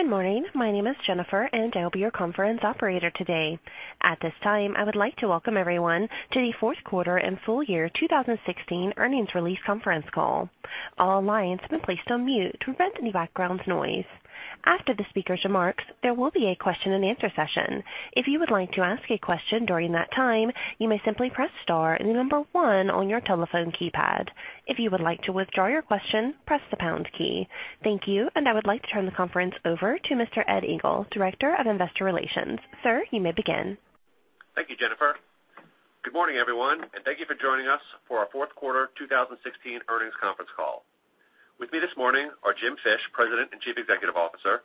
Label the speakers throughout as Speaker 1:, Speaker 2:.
Speaker 1: Good morning. My name is Jennifer, and I will be your conference operator today. At this time, I would like to welcome everyone to the fourth quarter and full year 2016 earnings release conference call. All lines have been placed on mute to prevent any background noise. After the speaker's remarks, there will be a question and answer session. If you would like to ask a question during that time, you may simply press star and the number 1 on your telephone keypad. If you would like to withdraw your question, press the pound key. Thank you, and I would like to turn the conference over to Mr. Ed Egl, Director of Investor Relations. Sir, you may begin.
Speaker 2: Thank you, Jennifer. Good morning, everyone, and thank you for joining us for our fourth quarter 2016 earnings conference call. With me this morning are Jim Fish, President and Chief Executive Officer,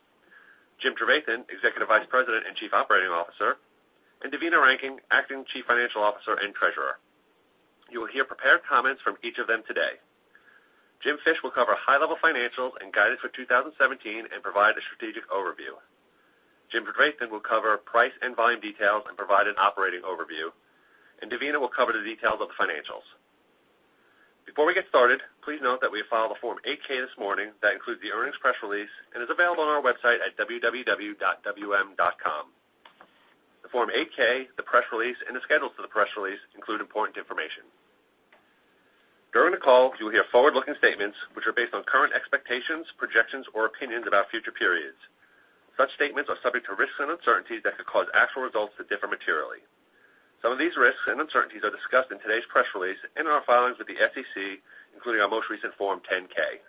Speaker 2: Jim Trevathan, Executive Vice President and Chief Operating Officer, and Devina Rankin, Acting Chief Financial Officer and Treasurer. You will hear prepared comments from each of them today. Jim Fish will cover high-level financials and guidance for 2017 and provide a strategic overview. Jim Trevathan will cover price and volume details and provide an operating overview, and Devina will cover the details of the financials. Before we get started, please note that we have filed a Form 8-K this morning that includes the earnings press release and is available on our website at www.wm.com. The Form 8-K, the press release, and the schedules for the press release include important information. During the call, you will hear forward-looking statements which are based on current expectations, projections, or opinions about future periods. Such statements are subject to risks and uncertainties that could cause actual results to differ materially. Some of these risks and uncertainties are discussed in today's press release and in our filings with the SEC, including our most recent Form 10-K.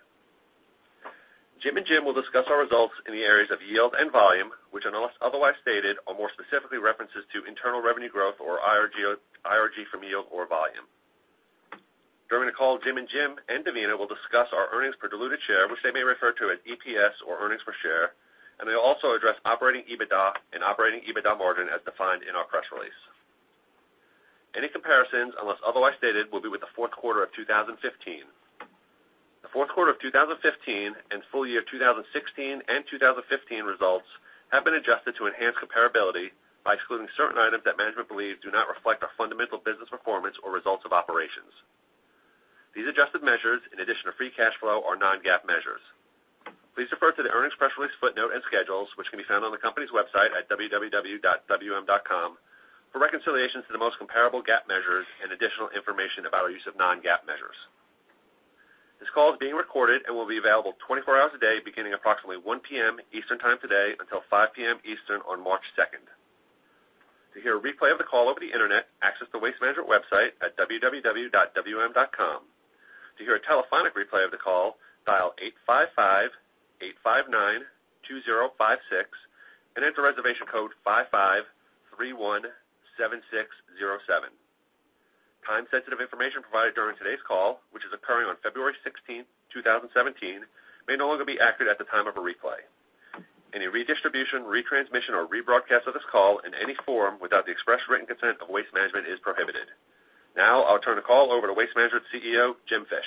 Speaker 2: Jim and Jim will discuss our results in the areas of yield and volume, which unless otherwise stated, are more specifically references to internal revenue growth or IRG from yield or volume. During the call, Jim and Jim and Devina will discuss our earnings per diluted share, which they may refer to as EPS or earnings per share, and they'll also address operating EBITDA and operating EBITDA margin as defined in our press release. Any comparisons, unless otherwise stated, will be with the fourth quarter of 2015. The fourth quarter of 2015 and full year 2016 and 2015 results have been adjusted to enhance comparability by excluding certain items that management believes do not reflect our fundamental business performance or results of operations. These adjusted measures, in addition to free cash flow, are non-GAAP measures. Please refer to the earnings press release footnote and schedules, which can be found on the company's website at www.wm.com for reconciliations to the most comparable GAAP measures and additional information about our use of non-GAAP measures. This call is being recorded and will be available 24 hours a day, beginning approximately 1:00 P.M. Eastern time today until 5:00 P.M. Eastern on March 2nd. To hear a replay of the call over the internet, access the Waste Management website at www.wm.com. To hear a telephonic replay of the call, dial 855-859-2056 and enter reservation code 55317607. Time-sensitive information provided during today's call, which is occurring on February 16th, 2017, may no longer be accurate at the time of a replay. Any redistribution, retransmission, or rebroadcast of this call in any form without the express written consent of Waste Management is prohibited. Now, I'll turn the call over to Waste Management CEO, Jim Fish.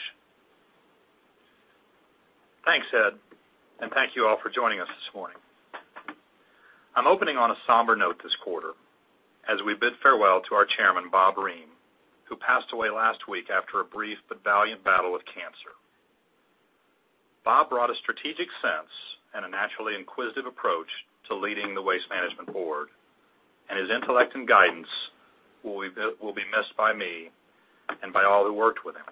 Speaker 3: Thanks, Ed, and thank you all for joining us this morning. I'm opening on a somber note this quarter as we bid farewell to our Chairman, Bob Reum, who passed away last week after a brief but valiant battle with cancer. Bob brought a strategic sense and a naturally inquisitive approach to leading the Waste Management board, and his intellect and guidance will be missed by me and by all who worked with him.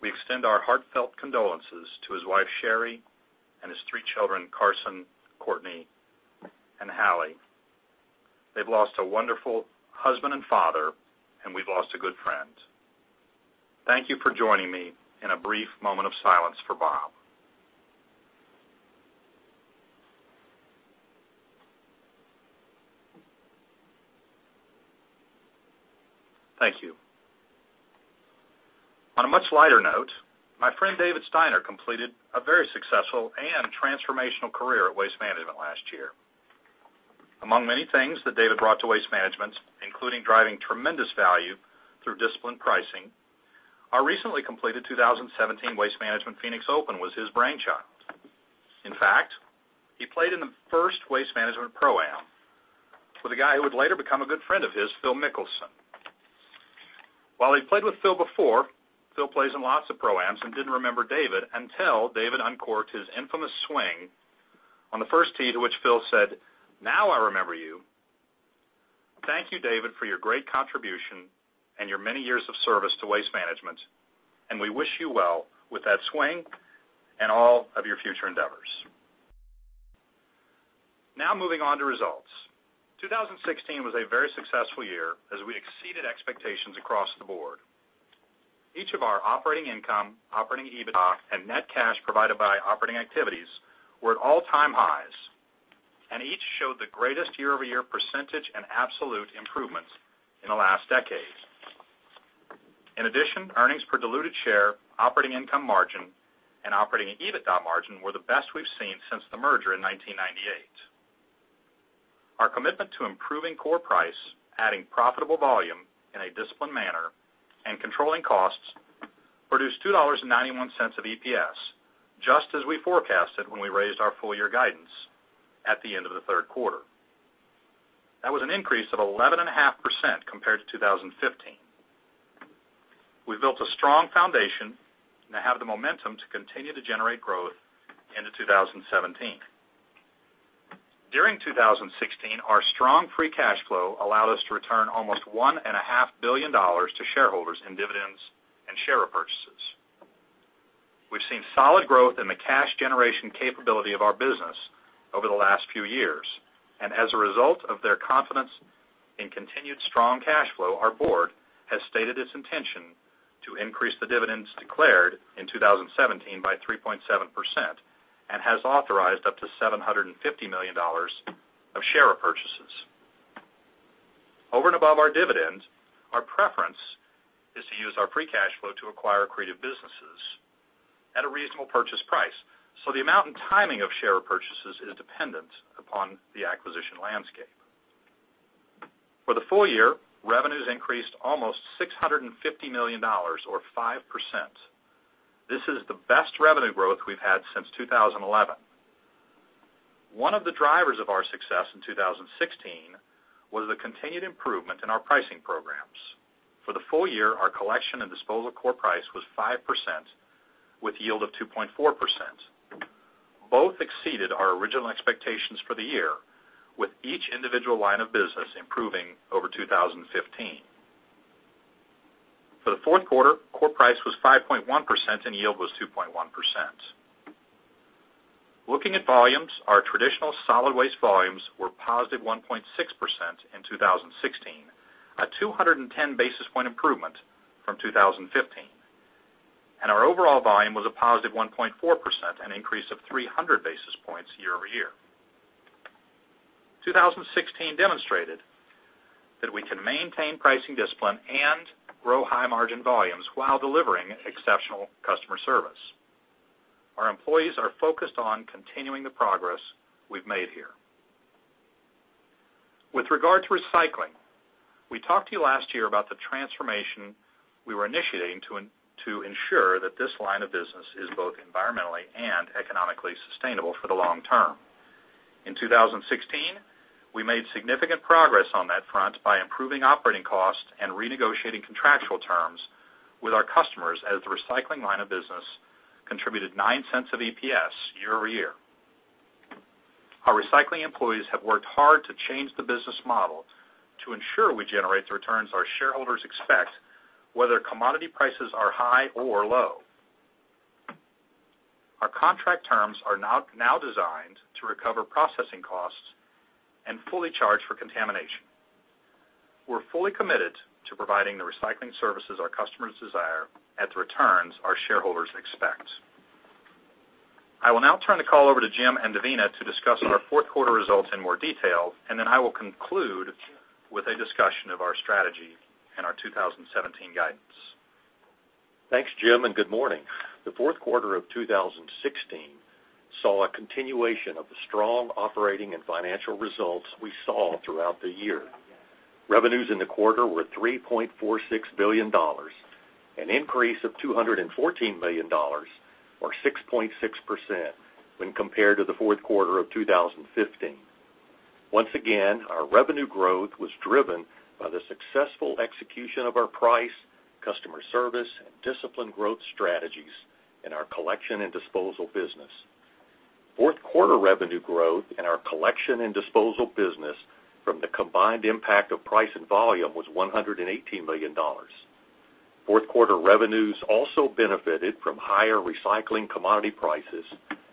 Speaker 3: We extend our heartfelt condolences to his wife, Sherry, and his three children, Carson, Courtney, and Halle. They've lost a wonderful husband and father, and we've lost a good friend. Thank you for joining me in a brief moment of silence for Bob. Thank you. On a much lighter note, my friend David Steiner completed a very successful and transformational career at Waste Management last year. Among many things that David brought to Waste Management, including driving tremendous value through disciplined pricing, our recently completed 2017 Waste Management Phoenix Open was his brainchild. In fact, he played in the first Waste Management Pro-Am with a guy who would later become a good friend of his, Phil Mickelson. While he played with Phil before, Phil plays in lots of pro-ams and didn't remember David until David uncorked his infamous swing on the first tee, to which Phil said, "Now I remember you." Thank you, David, for your great contribution and your many years of service to Waste Management, and we wish you well with that swing and all of your future endeavors. Moving on to results. 2016 was a very successful year as we exceeded expectations across the board. Each of our operating income, operating EBITDA, and net cash provided by operating activities were at all-time highs, and each showed the greatest year-over-year percentage and absolute improvements in the last decade. In addition, earnings per diluted share, operating income margin, and operating EBITDA margin were the best we've seen since the merger in 1998. Our commitment to improving core price, adding profitable volume in a disciplined manner, and controlling costs produced $2.91 of EPS, just as we forecasted when we raised our full-year guidance at the end of the third quarter. That was an increase of 11.5% compared to 2015. We've built a strong foundation and have the momentum to continue to generate growth into 2017. During 2016, our strong free cash flow allowed us to return almost $1.5 billion to shareholders in dividends and share purchases. We've seen solid growth in the cash generation capability of our business over the last few years. As a result of their confidence in continued strong cash flow, our board has stated its intention to increase the dividends declared in 2017 by 3.7% and has authorized up to $750 million of share purchases. Over and above our dividends, our preference is to use our free cash flow to acquire accretive businesses at a reasonable purchase price. The amount and timing of share purchases is dependent upon the acquisition landscape. For the full year, revenues increased almost $650 million or 5%. This is the best revenue growth we've had since 2011. One of the drivers of our success in 2016 was the continued improvement in our pricing programs. For the full year, our collection and disposal core price was 5% with yield of 2.4%. Both exceeded our original expectations for the year, with each individual line of business improving over 2015. For the fourth quarter, core price was 5.1% and yield was 2.1%. Looking at volumes, our traditional solid waste volumes were positive 1.6% in 2016, a 210 basis point improvement from 2015. Our overall volume was a positive 1.4%, an increase of 300 basis points year-over-year. 2016 demonstrated that we can maintain pricing discipline and grow high-margin volumes while delivering exceptional customer service. Our employees are focused on continuing the progress we've made here. With regard to recycling, we talked to you last year about the transformation we were initiating to ensure that this line of business is both environmentally and economically sustainable for the long term. In 2016, we made significant progress on that front by improving operating costs and renegotiating contractual terms with our customers as the recycling line of business contributed $0.09 of EPS year-over-year. Our recycling employees have worked hard to change the business model to ensure we generate the returns our shareholders expect, whether commodity prices are high or low. Our contract terms are now designed to recover processing costs and fully charge for contamination. We're fully committed to providing the recycling services our customers desire at the returns our shareholders expect. I will now turn the call over to Jim and Devina to discuss our fourth quarter results in more detail, and then I will conclude with a discussion of our strategy and our 2017 guidance.
Speaker 4: Thanks, Jim, good morning. The fourth quarter of 2016 saw a continuation of the strong operating and financial results we saw throughout the year. Revenues in the quarter were $3.46 billion, an increase of $214 million or 6.6% when compared to the fourth quarter of 2015. Once again, our revenue growth was driven by the successful execution of our price, customer service, and disciplined growth strategies in our collection and disposal business. Fourth quarter revenue growth in our collection and disposal business from the combined impact of price and volume was $118 million. Fourth quarter revenues also benefited from higher recycling commodity prices,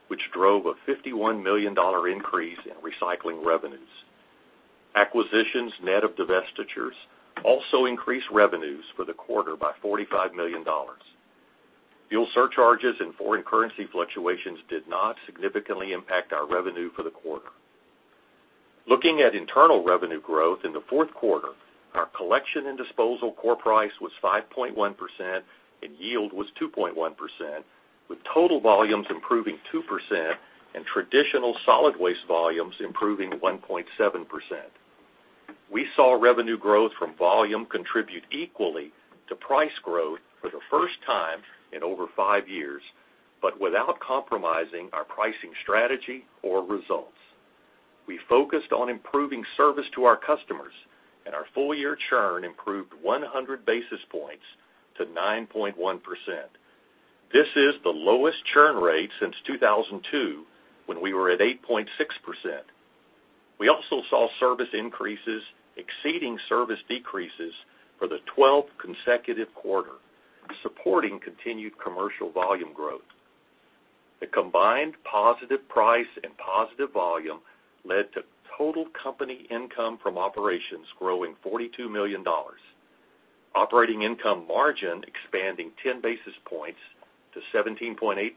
Speaker 4: which drove a $51 million increase in recycling revenues. Acquisitions net of divestitures also increased revenues for the quarter by $45 million. Fuel surcharges and foreign currency fluctuations did not significantly impact our revenue for the quarter. Looking at internal revenue growth in the fourth quarter, our collection and disposal core price was 5.1% and yield was 2.1%, with total volumes improving 2% and traditional solid waste volumes improving 1.7%. We saw revenue growth from volume contribute equally to price growth for the first time in over five years, but without compromising our pricing strategy or results. We focused on improving service to our customers, and our full-year churn improved 100 basis points to 9.1%. This is the lowest churn rate since 2002, when we were at 8.6%. We also saw service increases exceeding service decreases for the 12th consecutive quarter, supporting continued commercial volume growth. The combined positive price and positive volume led to total company income from operations growing $42 million, operating income margin expanding 10 basis points to 17.8%,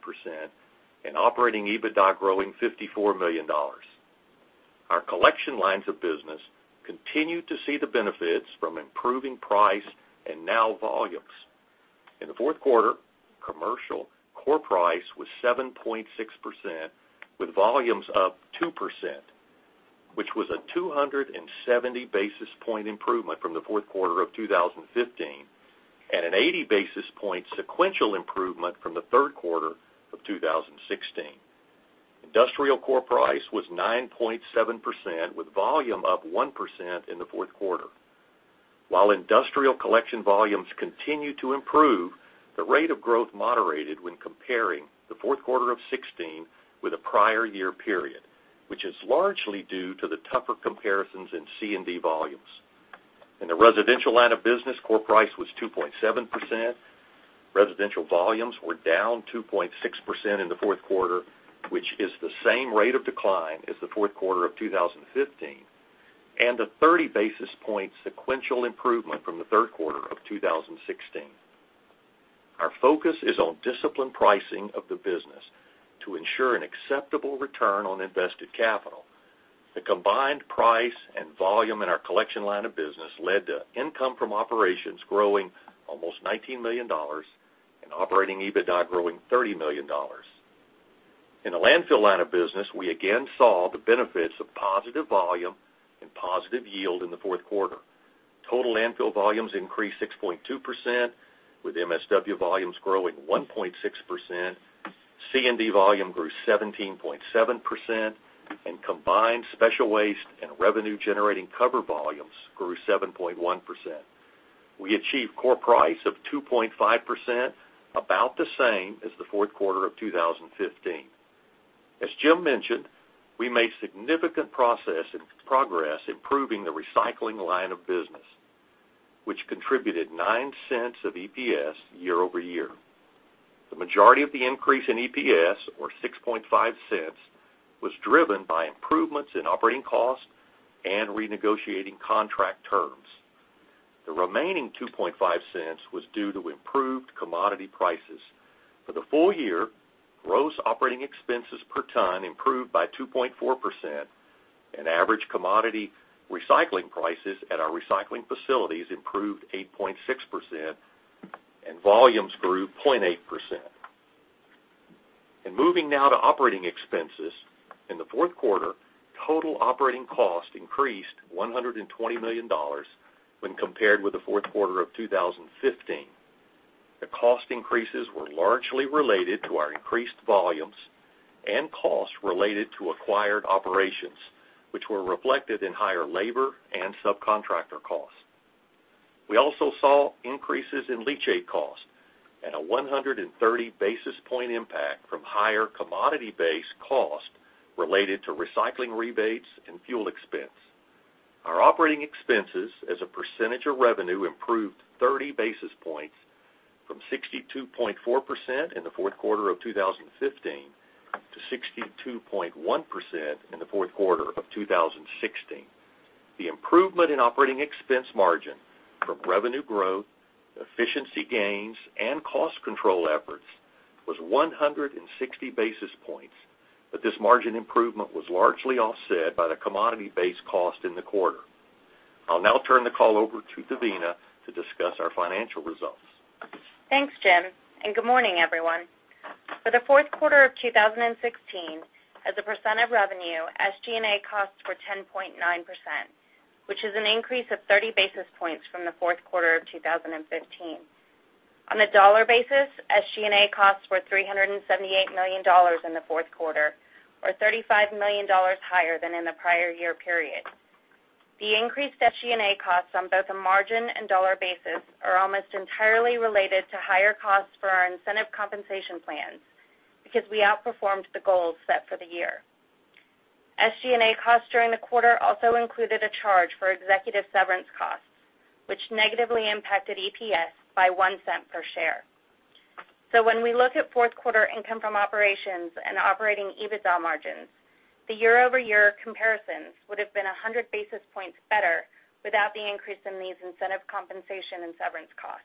Speaker 4: and operating EBITDA growing $54 million. Our collection lines of business continued to see the benefits from improving price and now volumes. In the fourth quarter, commercial core price was 7.6%, with volumes up 2%, which was a 270 basis point improvement from the fourth quarter of 2015 and an 80 basis point sequential improvement from the third quarter of 2016. Industrial core price was 9.7%, with volume up 1% in the fourth quarter. While industrial collection volumes continue to improve, the rate of growth moderated when comparing the fourth quarter of 2016 with the prior year period, which is largely due to the tougher comparisons in C&D volumes. In the residential line of business, core price was 2.7%. Residential volumes were down 2.6% in the fourth quarter, which is the same rate of decline as the fourth quarter of 2015, and a 30 basis point sequential improvement from the third quarter of 2016. Our focus is on disciplined pricing of the business to ensure an acceptable return on invested capital. The combined price and volume in our collection line of business led to income from operations growing almost $19 million, and operating EBITDA growing $30 million. In the landfill line of business, we again saw the benefits of positive volume and positive yield in the fourth quarter. Total landfill volumes increased 6.2%, with MSW volumes growing 1.6%. C&D volume grew 17.7%, and combined special waste and revenue-generating cover volumes grew 7.1%. We achieved core price of 2.5%, about the same as the fourth quarter of 2015. As Jim mentioned, we made significant progress improving the recycling line of business, which contributed $0.09 of EPS year over year. The majority of the increase in EPS, or $0.065, was driven by improvements in operating costs and renegotiating contract terms. The remaining $0.025 was due to improved commodity prices. For the full year, gross operating expenses per ton improved by 2.4%, and average commodity recycling prices at our recycling facilities improved 8.6%, and volumes grew 0.8%. Moving now to operating expenses. In the fourth quarter, total operating costs increased $120 million when compared with the fourth quarter of 2015. The cost increases were largely related to our increased volumes and costs related to acquired operations, which were reflected in higher labor and subcontractor costs. We also saw increases in leachate costs and a 130 basis point impact from higher commodity base cost related to recycling rebates and fuel expense. Our operating expenses as a percentage of revenue improved 30 basis points from 62.4% in the fourth quarter of 2015 to 62.1% in the fourth quarter of 2016. The improvement in operating expense margin from revenue growth, efficiency gains, and cost control efforts was 160 basis points, this margin improvement was largely offset by the commodity base cost in the quarter. I'll now turn the call over to Devina to discuss our financial results.
Speaker 5: Thanks, Jim, and good morning, everyone. For the fourth quarter of 2016, as a percent of revenue, SG&A costs were 10.9%, which is an increase of 30 basis points from the fourth quarter of 2015. On a dollar basis, SG&A costs were $378 million in the fourth quarter, or $35 million higher than in the prior year period. The increased SG&A costs on both a margin and dollar basis are almost entirely related to higher costs for our incentive compensation plans because we outperformed the goals set for the year. SG&A costs during the quarter also included a charge for executive severance costs, which negatively impacted EPS by $0.01 per share. When we look at fourth quarter income from operations and operating EBITDA margins, the year-over-year comparisons would have been 100 basis points better without the increase in these incentive compensation and severance costs.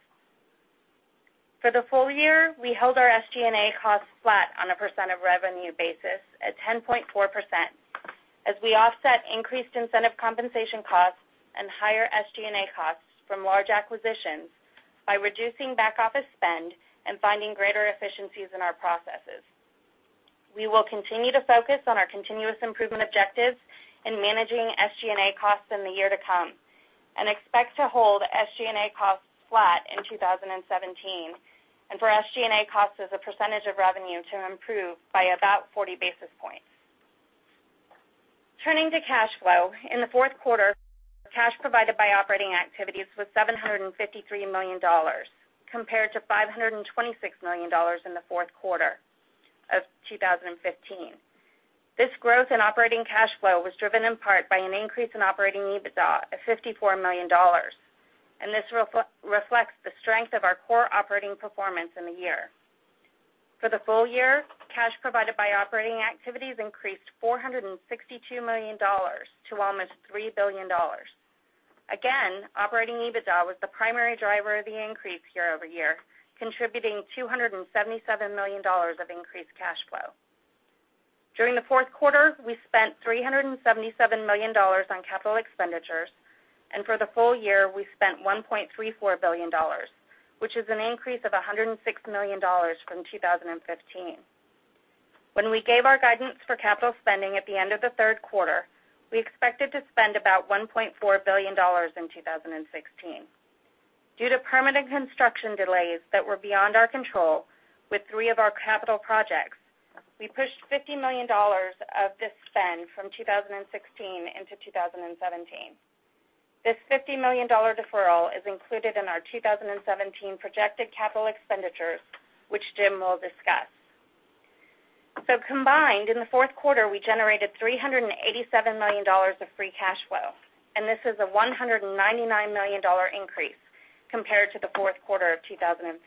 Speaker 5: For the full year, we held our SG&A costs flat on a percent of revenue basis at 10.4% as we offset increased incentive compensation costs and higher SG&A costs from large acquisitions by reducing back office spend and finding greater efficiencies in our processes. We will continue to focus on our continuous improvement objectives in managing SG&A costs in the year to come and expect to hold SG&A costs flat in 2017. For SG&A costs as a percentage of revenue to improve by about 40 basis points. Turning to cash flow. In the fourth quarter, cash provided by operating activities was $753 million compared to $526 million in the fourth quarter of 2015. This growth in operating cash flow was driven in part by an increase in operating EBITDA of $54 million, this reflects the strength of our core operating performance in the year. For the full year, cash provided by operating activities increased $462 million to almost $3 billion. Again, operating EBITDA was the primary driver of the increase year-over-year, contributing $277 million of increased cash flow. During the fourth quarter, we spent $377 million on capital expenditures, for the full year, we spent $1.34 billion, which is an increase of $106 million from 2015. When we gave our guidance for capital spending at the end of the third quarter, we expected to spend about $1.4 billion in 2016. Due to permanent construction delays that were beyond our control with three of our capital projects, we pushed $50 million of this spend from 2016 into 2017. This $50 million deferral is included in our 2017 projected capital expenditures, which Jim will discuss. Combined, in the fourth quarter, we generated $387 million of free cash flow, and this is a $199 million increase compared to the fourth quarter of 2015.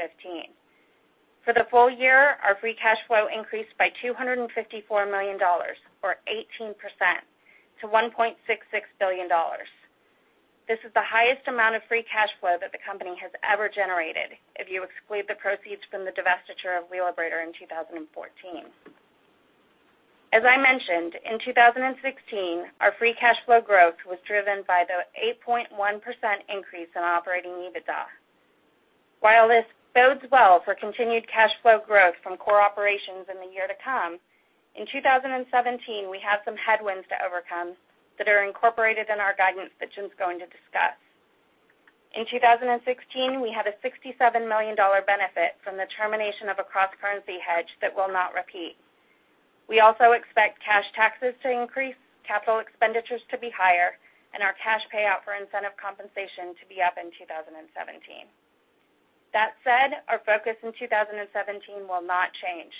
Speaker 5: For the full year, our free cash flow increased by $254 million or 18% to $1.66 billion. This is the highest amount of free cash flow that the company has ever generated if you exclude the proceeds from the divestiture of Wheelabrator in 2014. As I mentioned, in 2016, our free cash flow growth was driven by the 8.1% increase in operating EBITDA. While this bodes well for continued cash flow growth from core operations in the year to come, in 2017, we have some headwinds to overcome that are incorporated in our guidance that Jim's going to discuss. In 2016, we had a $67 million benefit from the termination of a cross-currency hedge that will not repeat. We also expect cash taxes to increase, capital expenditures to be higher, and our cash payout for incentive compensation to be up in 2017. That said, our focus in 2017 will not change.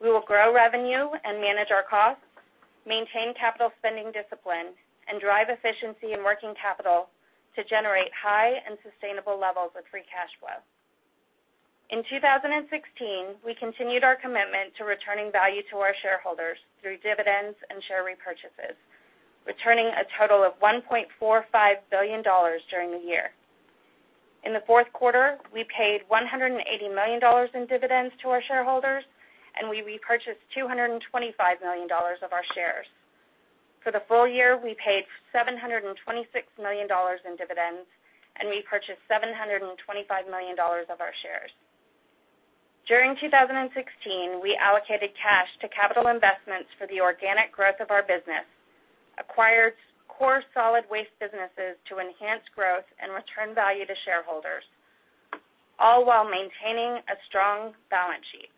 Speaker 5: We will grow revenue and manage our costs, maintain capital spending discipline, and drive efficiency in working capital to generate high and sustainable levels of free cash flow. In 2016, we continued our commitment to returning value to our shareholders through dividends and share repurchases, returning a total of $1.45 billion during the year. In the fourth quarter, we paid $180 million in dividends to our shareholders, and we repurchased $225 million of our shares. For the full year, we paid $726 million in dividends and repurchased $725 million of our shares. During 2016, we allocated cash to capital investments for the organic growth of our business, acquired core solid waste businesses to enhance growth and return value to shareholders, all while maintaining a strong balance sheet.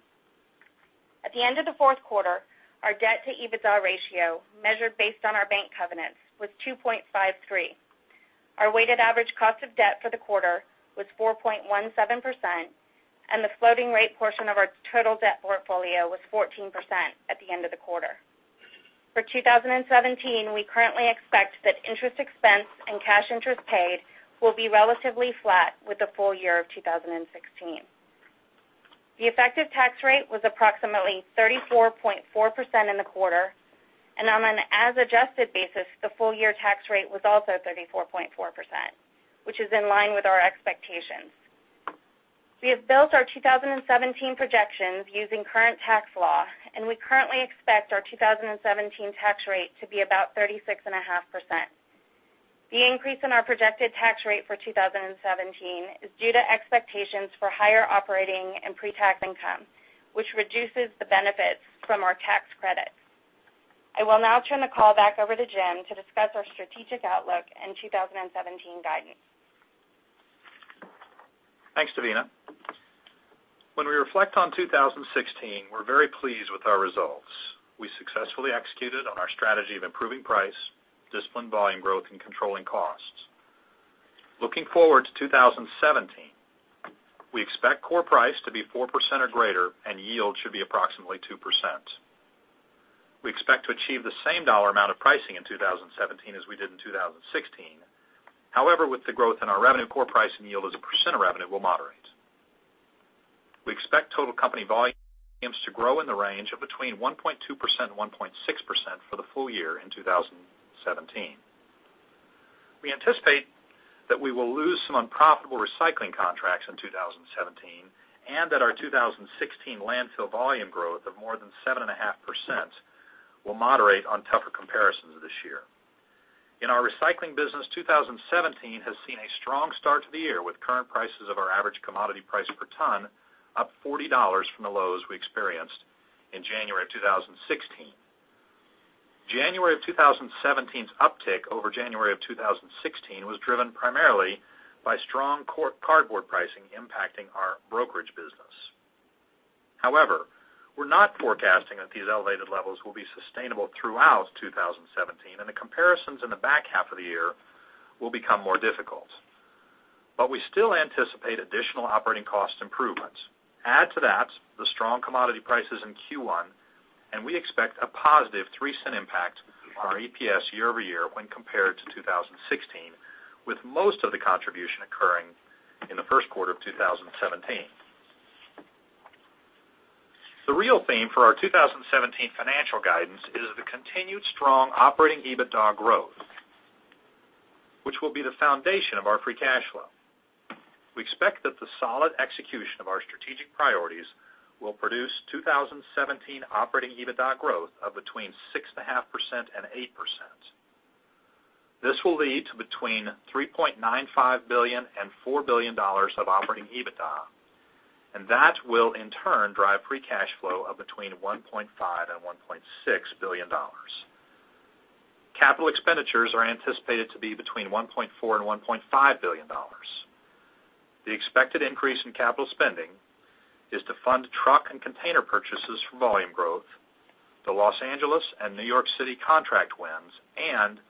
Speaker 5: At the end of the fourth quarter, our debt-to-EBITDA ratio, measured based on our bank covenants, was 2.53. Our weighted average cost of debt for the quarter was 4.17%, and the floating rate portion of our total debt portfolio was 14% at the end of the quarter. For 2017, we currently expect that interest expense and cash interest paid will be relatively flat with the full year of 2016. The effective tax rate was approximately 34.4% in the quarter, and on an as-adjusted basis, the full-year tax rate was also 34.4%, which is in line with our expectations. We have built our 2017 projections using current tax law, and we currently expect our 2017 tax rate to be about 36.5%. The increase in our projected tax rate for 2017 is due to expectations for higher operating and pre-tax income, which reduces the benefits from our tax credits. I will now turn the call back over to Jim to discuss our strategic outlook and 2017 guidance.
Speaker 3: Thanks, Devina. When we reflect on 2016, we are very pleased with our results. We successfully executed on our strategy of improving price, disciplined volume growth, and controlling costs. Looking forward to 2017, we expect core price to be 4% or greater, and yield should be approximately 2%. We expect to achieve the same dollar amount of pricing in 2017 as we did in 2016. However, with the growth in our revenue, core price and yield as a percent of revenue will moderate. We expect total company volumes to grow in the range of between 1.2% and 1.6% for the full year in 2017. We anticipate that we will lose some unprofitable recycling contracts in 2017 and that our 2016 landfill volume growth of more than 7.5% will moderate on tougher comparisons this year. In our recycling business, 2017 has seen a strong start to the year, with current prices of our average commodity price per ton up $40 from the lows we experienced in January of 2016. January of 2017's uptick over January of 2016 was driven primarily by strong cardboard pricing impacting our brokerage business. However, we are not forecasting that these elevated levels will be sustainable throughout 2017, and the comparisons in the back half of the year will become more difficult. But we still anticipate additional operating cost improvements. Add to that the strong commodity prices in Q1, and we expect a positive $0.03 impact on our EPS year-over-year when compared to 2016, with most of the contribution occurring in the first quarter of 2017. The real theme for our 2017 financial guidance is the continued strong operating EBITDA growth, which will be the foundation of our free cash flow. We expect that the solid execution of our strategic priorities will produce 2017 operating EBITDA growth of between 6.5% and 8%. This will lead to between $3.95 billion and $4 billion of operating EBITDA, and that will, in turn, drive free cash flow of between $1.5 billion and $1.6 billion. Capital expenditures are anticipated to be between $1.4 billion and $1.5 billion. The expected increase in capital spending is to fund truck and container purchases for volume growth, the Los Angeles and New York City contract wins, and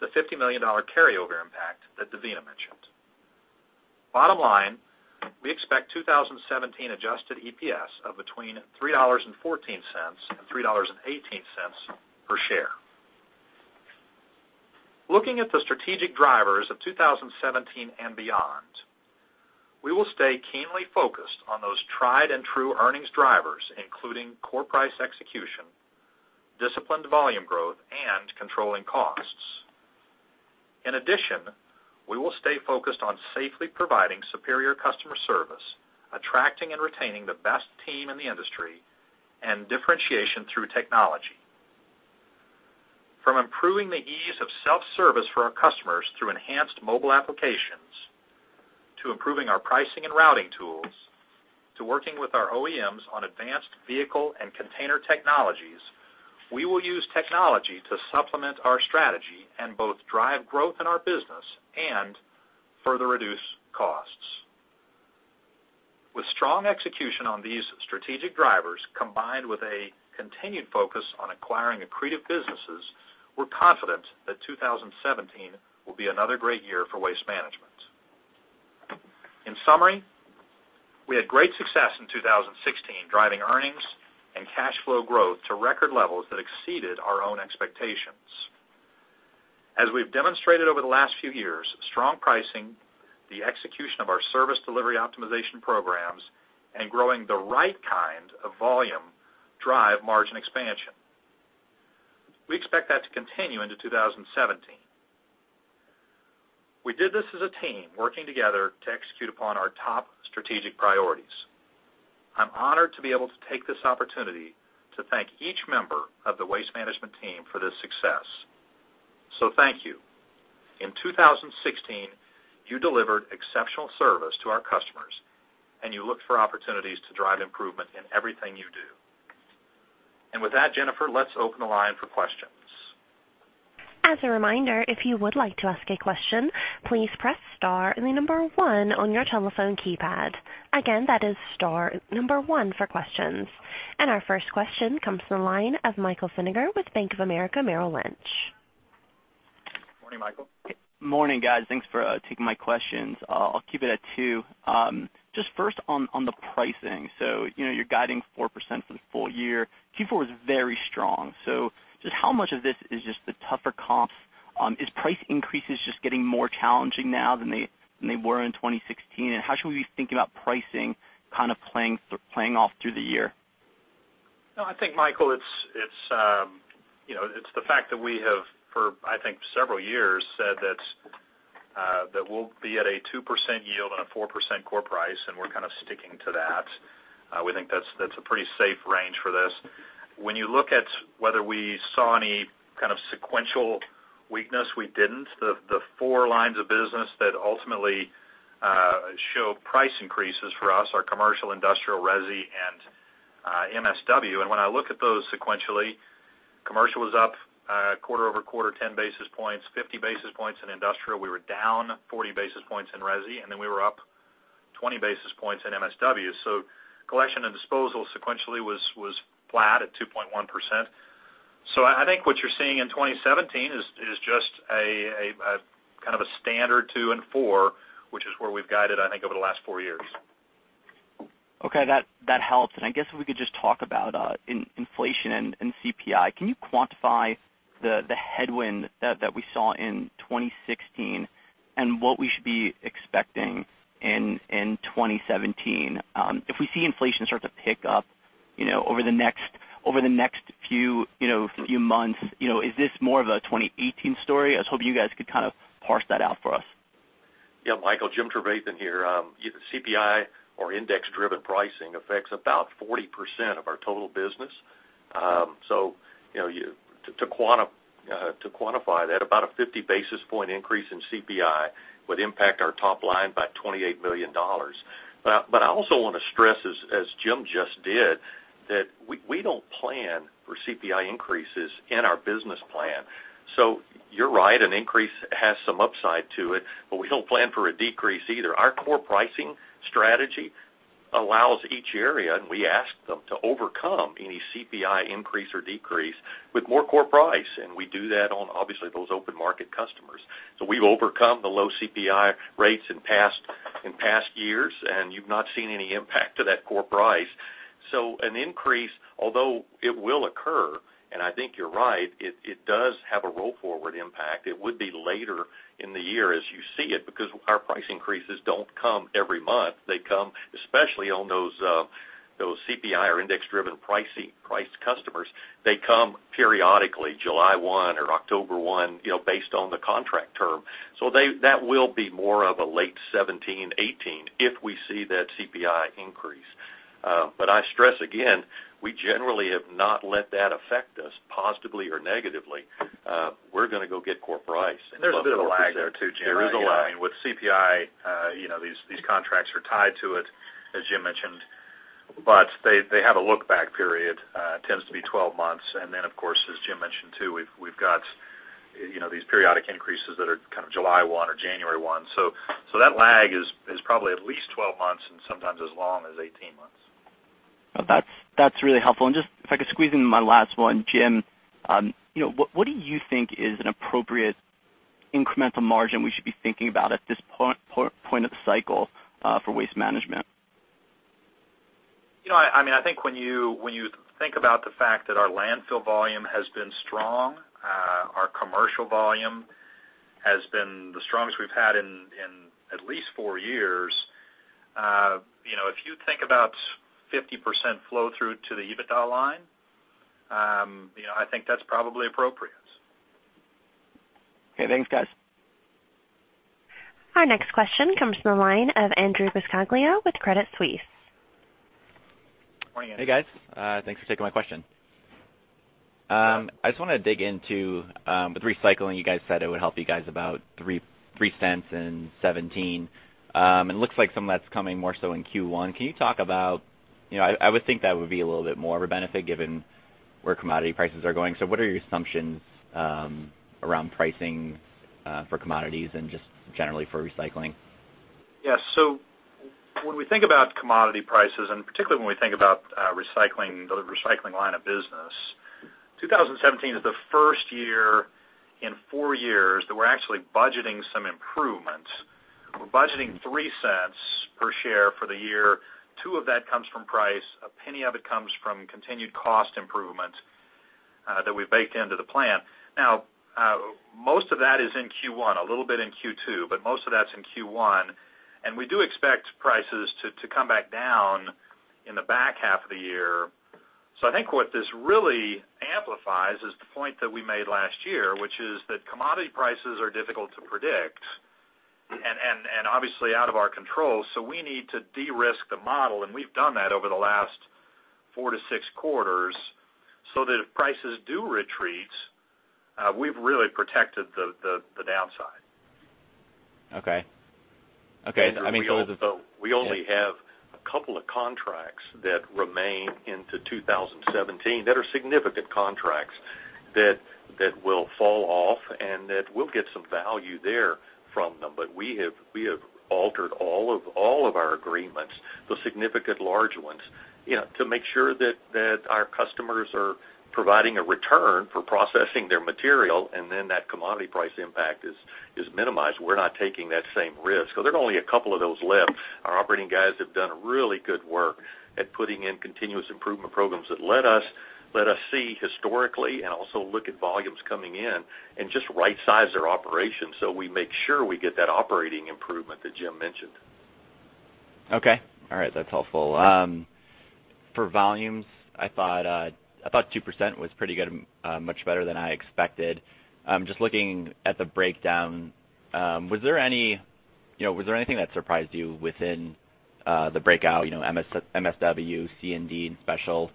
Speaker 3: the $50 million carryover impact that Devina mentioned. Bottom line, we expect 2017 adjusted EPS of between $3.14 and $3.18 per share. Looking at the strategic drivers of 2017 and beyond, we will stay keenly focused on those tried and true earnings drivers, including core price execution, disciplined volume growth, and controlling costs. In addition, we will stay focused on safely providing superior customer service, attracting and retaining the best team in the industry, and differentiation through technology. From improving the ease of self-service for our customers through enhanced mobile applications, to improving our pricing and routing tools, to working with our OEMs on advanced vehicle and container technologies, we will use technology to supplement our strategy and both drive growth in our business and further reduce costs. With strong execution on these strategic drivers, combined with a continued focus on acquiring accretive businesses, we are confident that 2017 will be another great year for Waste Management. In summary, we had great success in 2016, driving earnings and cash flow growth to record levels that exceeded our own expectations. As we've demonstrated over the last few years, strong pricing, the execution of our service delivery optimization programs, and growing the right kind of volume drive margin expansion. We expect that to continue into 2017. We did this as a team, working together to execute upon our top strategic priorities. I'm honored to be able to take this opportunity to thank each member of the Waste Management team for this success. Thank you. In 2016, you delivered exceptional service to our customers, and you looked for opportunities to drive improvement in everything you do. With that, Jennifer, let's open the line for questions.
Speaker 1: As a reminder, if you would like to ask a question, please press star and the number one on your telephone keypad. Again, that is star number one for questions. Our first question comes from the line of Michael Feniger with Bank of America Merrill Lynch.
Speaker 3: Morning, Michael.
Speaker 6: Morning, guys. Thanks for taking my questions. I'll keep it at two. Just first on the pricing. You're guiding 4% for the full year. Q4 was very strong. Just how much of this is just the tougher comps? Is price increases just getting more challenging now than they were in 2016? How should we be thinking about pricing kind of playing off through the year?
Speaker 3: Michael, it's the fact that we have, for I think several years, said that we'll be at a 2% yield on a 4% core price, we're kind of sticking to that. We think that's a pretty safe range for this. When you look at whether we saw any kind of sequential weakness, we didn't. The 4 lines of business that ultimately show price increases for us are commercial, industrial, resi, and MSW. When I look at those sequentially, commercial was up quarter-over-quarter 10 basis points, 50 basis points in industrial. We were down 40 basis points in resi, we were up 20 basis points in MSW. Collection and disposal sequentially was flat at 2.1%. I think what you're seeing in 2017 is just a kind of a standard 2 and 4, which is where we've guided, I think, over the last 4 years.
Speaker 6: Okay. That helps. I guess if we could just talk about inflation and CPI. Can you quantify the headwind that we saw in 2016 and what we should be expecting in 2017? If we see inflation start to pick up over the next few months, is this more of a 2018 story? I was hoping you guys could kind of parse that out for us.
Speaker 4: Michael, Jim Trevathan here. Either CPI or index-driven pricing affects about 40% of our total business. To quantify that, about a 50 basis point increase in CPI would impact our top line by $28 million. I also want to stress, as Jim just did, that we don't plan for CPI increases in our business plan. You're right, an increase has some upside to it, we don't plan for a decrease either. Our core pricing strategy allows each area, we ask them to overcome any CPI increase or decrease with more core price, we do that on, obviously, those open market customers. We've overcome the low CPI rates in past years, you've not seen any impact to that core price. An increase, although it will occur, I think you're right, it does have a roll-forward impact. It would be later in the year as you see it, because our price increases don't come every month. They come, especially on those CPI or index-driven priced customers, they come periodically, July 1 or October 1, based on the contract term. That will be more of a late 2017, 2018, if we see that CPI increase. I stress again, we generally have not let that affect us positively or negatively. We're going to go get core price.
Speaker 3: There's a bit of a lag there, too, Jim.
Speaker 4: There is a lag.
Speaker 3: I mean, with CPI, these contracts are tied to it, as Jim mentioned. They have a look-back period, tends to be 12 months. Then, of course, as Jim mentioned too, we've got these periodic increases that are July 1 or January 1. That lag is probably at least 12 months and sometimes as long as 18 months.
Speaker 6: That's really helpful. Just if I could squeeze in my last one, Jim, what do you think is an appropriate incremental margin we should be thinking about at this point of the cycle, for Waste Management?
Speaker 3: I think when you think about the fact that our landfill volume has been strong, our commercial volume has been the strongest we've had in at least four years. If you think about 50% flow through to the EBITDA line, I think that's probably appropriate.
Speaker 6: Okay. Thanks, guys.
Speaker 1: Our next question comes from the line of Andrew Buscaglia with Credit Suisse.
Speaker 7: Morning, guys. Thanks for taking my question. I just want to dig into, with recycling, you guys said it would help you guys about $0.03 in 2017. It looks like some of that's coming more so in Q1. Can you talk about, I would think that would be a little bit more of a benefit given where commodity prices are going. What are your assumptions around pricing for commodities and just generally for recycling?
Speaker 3: Yes. When we think about commodity prices, and particularly when we think about the recycling line of business, 2017 is the first year in four years that we're actually budgeting some improvements. We're budgeting $0.03 per share for the year. $0.02 of that comes from price. $0.01 of it comes from continued cost improvements that we've baked into the plan. Now, most of that is in Q1, a little bit in Q2, but most of that's in Q1, and we do expect prices to come back down in the back half of the year. I think what this really amplifies is the point that we made last year, which is that commodity prices are difficult to predict and obviously out of our control, so we need to de-risk the model, and we've done that over the last four to six quarters, so that if prices do retreat, we've really protected the downside.
Speaker 7: Okay.
Speaker 3: We only have a couple of contracts that remain into 2017 that are significant contracts that will fall off and that we'll get some value there from them. We have altered all of our agreements, the significant large ones, to make sure that our customers are providing a return for processing their material and then that commodity price impact is minimized. We're not taking that same risk. There are only a couple of those left. Our operating guys have done really good work at putting in continuous improvement programs that let us see historically and also look at volumes coming in and just right-size their operations so we make sure we get that operating improvement that Jim mentioned.
Speaker 7: Okay. All right. That's helpful. For volumes, I thought 2% was pretty good, much better than I expected. Just looking at the breakdown, was there anything that surprised you within the breakout, MSW, C&D, and special,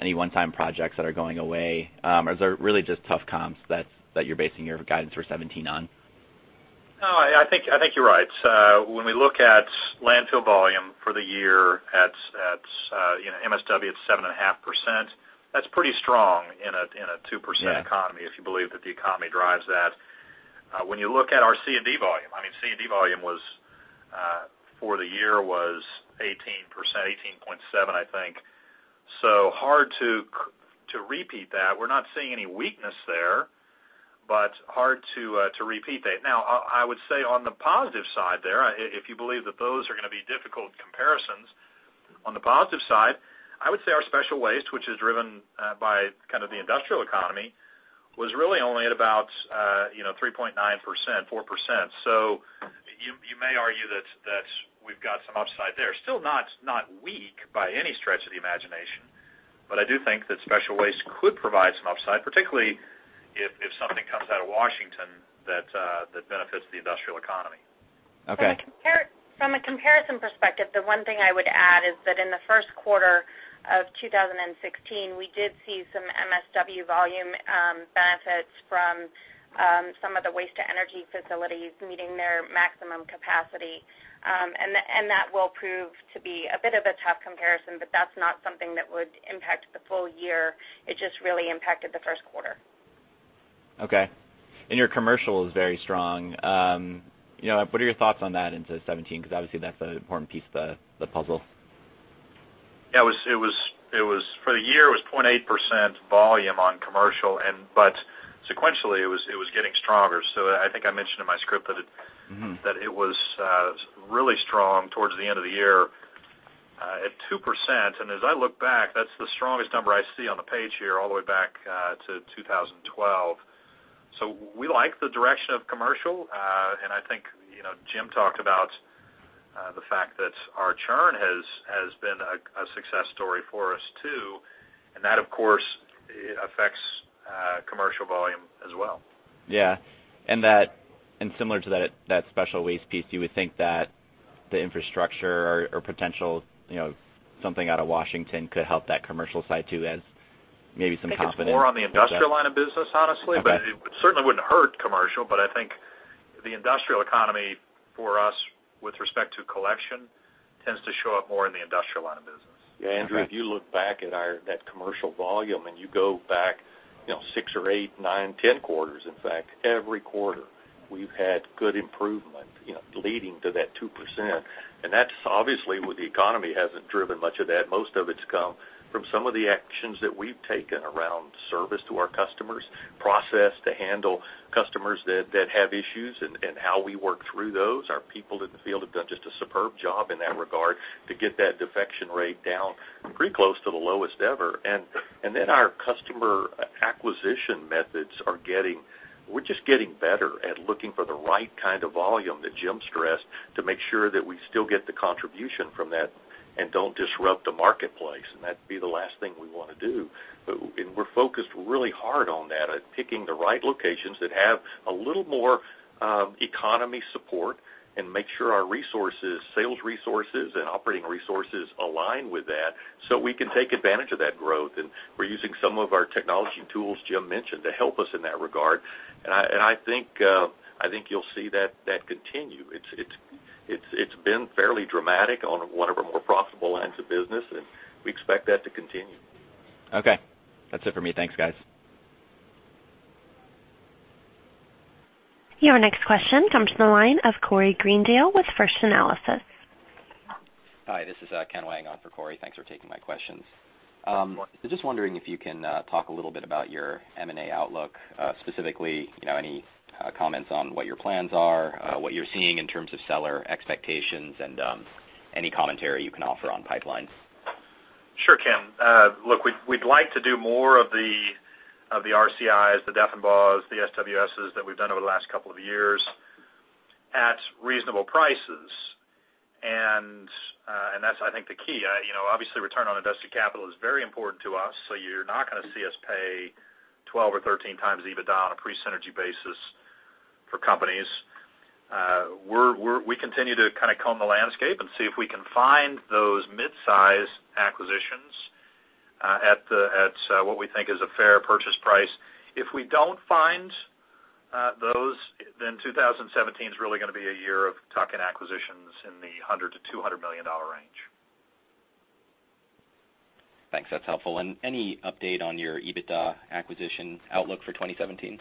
Speaker 7: any one-time projects that are going away? Or is there really just tough comps that you're basing your guidance for 2017 on?
Speaker 3: I think you're right. When we look at landfill volume for the year at MSW, it's 7.5%. That's pretty strong in a 2% economy if you believe that the economy drives that. When you look at our C&D volume, C&D volume for the year was 18%, 18.7%, I think. Hard to repeat that. We're not seeing any weakness there, but hard to repeat that. I would say on the positive side there, if you believe that those are going to be difficult comparisons, on the positive side, I would say our special waste, which is driven by the industrial economy, was really only at about 3.9%, 4%. You may argue that we've got some upside there. Still not weak by any stretch of the imagination, I do think that special waste could provide some upside, particularly if something comes out of Washington that benefits the industrial economy.
Speaker 7: Okay.
Speaker 5: From a comparison perspective, the one thing I would add is that in the first quarter of 2016, we did see some MSW volume benefits from some of the waste-to-energy facilities meeting their maximum capacity. That will prove to be a bit of a tough comparison, that's not something that would impact the full year. It just really impacted the first quarter.
Speaker 7: Okay. Your commercial is very strong. What are your thoughts on that into 2017? Because obviously, that's an important piece of the puzzle.
Speaker 3: For the year, it was 0.8% volume on commercial, sequentially, it was getting stronger. I think I mentioned in my script that it was really strong towards the end of the year at 2%. As I look back, that's the strongest number I see on the page here all the way back to 2012. We like the direction of commercial. I think Jim talked about the fact that our churn has been a success story for us, too, and that, of course, affects commercial volume as well.
Speaker 7: Yeah. Similar to that special waste piece, you would think that the infrastructure or potential, something out of Washington could help that commercial side, too.
Speaker 3: I think it's more on the industrial line of business, honestly.
Speaker 7: Okay.
Speaker 3: It certainly wouldn't hurt commercial. The industrial economy for us, with respect to collection, tends to show up more in the industrial line of business.
Speaker 4: Yeah, Andrew, if you look back at that commercial volume and you go back six or eight, nine, 10 quarters, in fact, every quarter we've had good improvement leading to that 2%. That's obviously with the economy hasn't driven much of that. Most of it's come from some of the actions that we've taken around service to our customers, process to handle customers that have issues, and how we work through those. Our people in the field have done just a superb job in that regard to get that defection rate down pretty close to the lowest ever. Our customer acquisition methods, we're just getting better at looking for the right kind of volume that Jim stressed to make sure that we still get the contribution from that and don't disrupt the marketplace. That would be the last thing we want to do. We're focused really hard on that, at picking the right locations that have a little more economy support and make sure our resources, sales resources, and operating resources align with that so we can take advantage of that growth. We're using some of our technology tools Jim mentioned to help us in that regard. I think you'll see that continue. It's been fairly dramatic on one of our more profitable lines of business, and we expect that to continue.
Speaker 7: Okay. That's it for me. Thanks, guys.
Speaker 1: Your next question comes from the line of Corey Greendale with First Analysis.
Speaker 8: Hi, this is Ken Wang on for Corey. Thanks for taking my questions.
Speaker 4: Of course.
Speaker 8: Just wondering if you can talk a little bit about your M&A outlook, specifically any comments on what your plans are, what you're seeing in terms of seller expectations, and any commentary you can offer on pipelines.
Speaker 3: Sure, Ken. Look, we'd like to do more of the RCIs, the Deffenbaughs, the SWSs that we've done over the last couple of years at reasonable prices. That's I think the key. Obviously, return on invested capital is very important to us, so you're not going to see us pay 12 or 13 times EBITDA on a pre-synergy basis for companies. We continue to kind of comb the landscape and see if we can find those mid-size acquisitions at what we think is a fair purchase price. If we don't find those, 2017 is really going to be a year of tuck-in acquisitions in the $100 million-$200 million range.
Speaker 8: Thanks. That's helpful. Any update on your EBITDA acquisition outlook for 2017?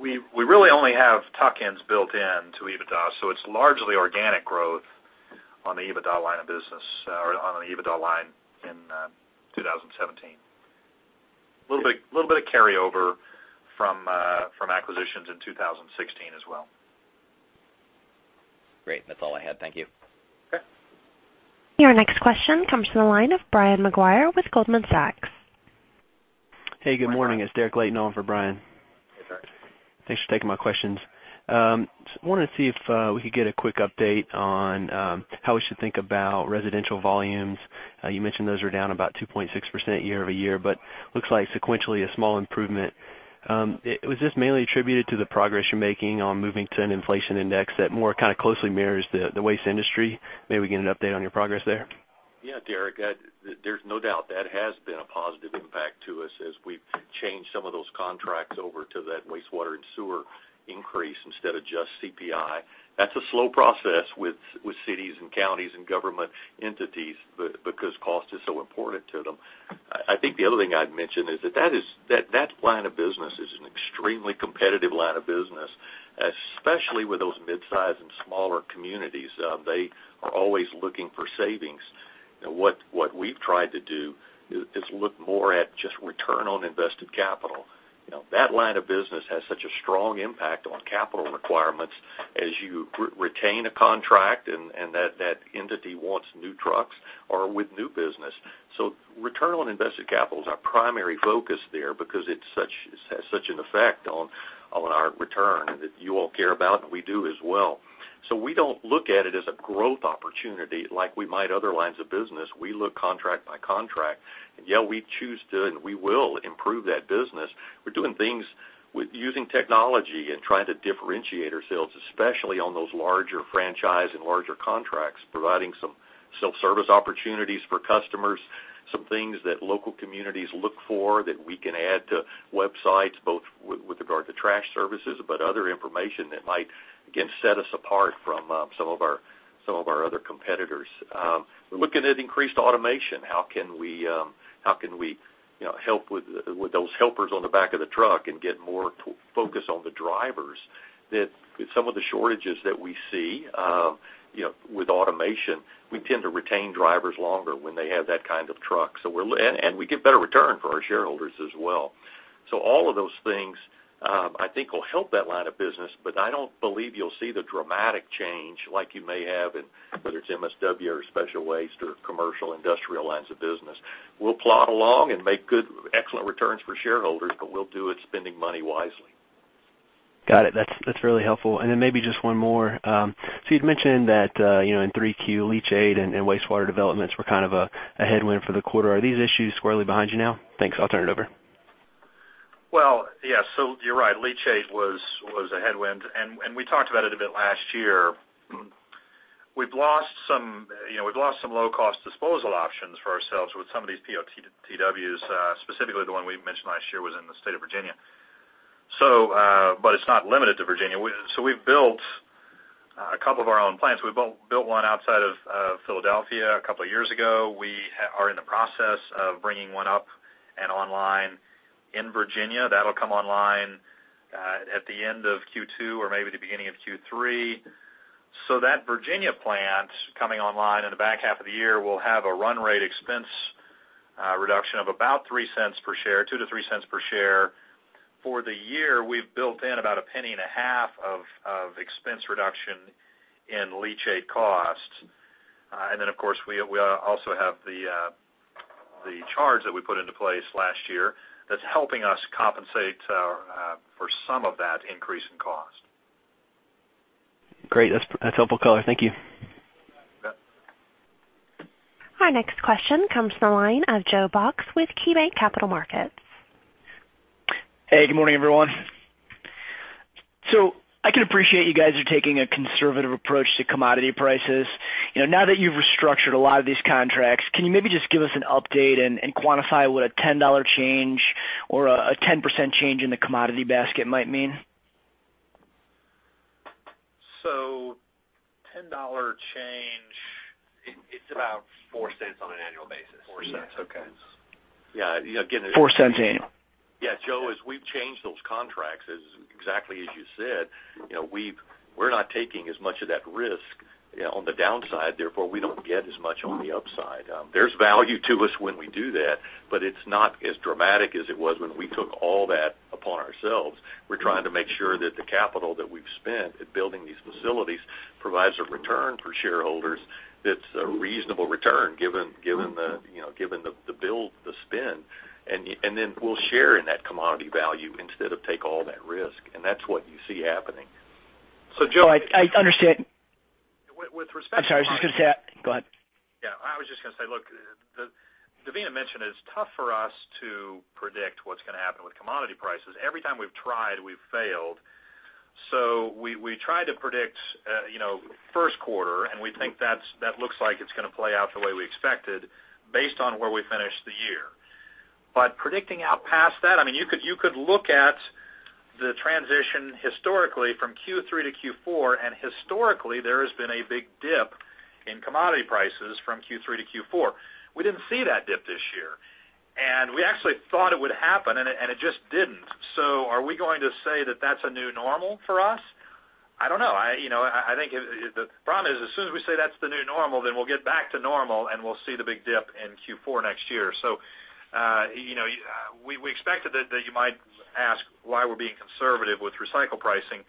Speaker 3: We really only have tuck-ins built in to EBITDA, so it's largely organic growth on the EBITDA line in 2017. Little bit of carryover from acquisitions in 2016 as well.
Speaker 8: Great. That's all I had. Thank you.
Speaker 3: Okay.
Speaker 1: Your next question comes from the line of Brian Maguire with Goldman Sachs.
Speaker 9: Hey, good morning. It's Derek Layton on for Brian.
Speaker 4: Hey, Derek.
Speaker 9: Thanks for taking my questions. Just wanted to see if we could get a quick update on how we should think about residential volumes. You mentioned those are down about 2.6% year-over-year, but looks like sequentially a small improvement. Was this mainly attributed to the progress you're making on moving to an inflation index that more kind of closely mirrors the waste industry? May we get an update on your progress there?
Speaker 4: Yeah, Derek. There's no doubt that has been a positive impact to us as we've changed some of those contracts over to that wastewater and sewer increase instead of just CPI. That's a slow process with cities and counties and government entities because cost is so important to them. I think the other thing I'd mention is that line of business is an extremely competitive line of business, especially with those mid-size and smaller communities. They are always looking for savings. What we've tried to do is look more at just return on invested capital. That line of business has such a strong impact on capital requirements as you retain a contract and that entity wants new trucks or with new business. Return on invested capital is our primary focus there because it has such an effect on our return that you all care about, and we do as well. We don't look at it as a growth opportunity like we might other lines of business. We look contract by contract. Yeah, we choose to, and we will improve that business. We're doing things with using technology and trying to differentiate ourselves, especially on those larger franchise and larger contracts, providing some self-service opportunities for customers. Some things that local communities look for that we can add to websites, both with regard to trash services, but other information that might, again, set us apart from some of our other competitors. We're looking at increased automation. How can we help with those helpers on the back of the truck and get more focus on the drivers that some of the shortages that we see with automation, we tend to retain drivers longer when they have that kind of truck. We get better return for our shareholders as well. All of those things, I think will help that line of business, but I don't believe you'll see the dramatic change like you may have in, whether it's MSW or special waste or commercial industrial lines of business. We'll plod along and make good excellent returns for shareholders, but we'll do it spending money wisely.
Speaker 9: Got it. That's really helpful. Then maybe just one more. You'd mentioned that in 3Q, leachate and wastewater developments were kind of a headwind for the quarter. Are these issues squarely behind you now? Thanks. I'll turn it over.
Speaker 4: Yes. You're right, leachate was a headwind, and we talked about it a bit last year.
Speaker 3: We've lost some low-cost disposal options for ourselves with some of these POTWs, specifically the one we mentioned last year was in the state of Virginia. It's not limited to Virginia. We've built a couple of our own plants. We built one outside of Philadelphia a couple of years ago. We are in the process of bringing one up and online in Virginia. That'll come online at the end of Q2 or maybe the beginning of Q3. That Virginia plant coming online in the back half of the year will have a run rate expense reduction of about $0.02-$0.03 per share. For the year, we've built in about $0.015 of expense reduction in leachate cost. Of course, we also have the charge that we put into place last year that's helping us compensate for some of that increase in cost.
Speaker 9: Great. That's helpful color. Thank you.
Speaker 3: Yeah.
Speaker 1: Our next question comes from the line of Joe Box with KeyBanc Capital Markets.
Speaker 10: I can appreciate you guys are taking a conservative approach to commodity prices. Now that you've restructured a lot of these contracts, can you maybe just give us an update and quantify what a $10 change or a 10% change in the commodity basket might mean?
Speaker 3: $10 change, it's about $0.04 on an annual basis.
Speaker 10: $0.04. Okay.
Speaker 3: Yeah. Again.
Speaker 10: $0.04 change.
Speaker 3: Yeah, Joe, as we've changed those contracts, exactly as you said, we're not taking as much of that risk on the downside, therefore, we don't get as much on the upside. There's value to us when we do that, but it's not as dramatic as it was when we took all that upon ourselves. We're trying to make sure that the capital that we've spent at building these facilities provides a return for shareholders that's a reasonable return given the build, the spin, and then we'll share in that commodity value instead of take all that risk, and that's what you see happening. Joe.
Speaker 10: No, I understand.
Speaker 3: With respect to-
Speaker 10: I'm sorry. I was just going to say Go ahead.
Speaker 3: Yeah, I was just going to say, look, Devina mentioned it's tough for us to predict what's going to happen with commodity prices. Every time we've tried, we've failed. We try to predict first quarter, and we think that looks like it's going to play out the way we expected based on where we finish the year. Predicting out past that, you could look at the transition historically from Q3 to Q4, and historically, there has been a big dip in commodity prices from Q3 to Q4. We didn't see that dip this year. We actually thought it would happen, and it just didn't. Are we going to say that that's a new normal for us? I don't know. The problem is, as soon as we say that's the new normal, then we'll get back to normal, and we'll see the big dip in Q4 next year. We expected that you might ask why we're being conservative with recycle pricing.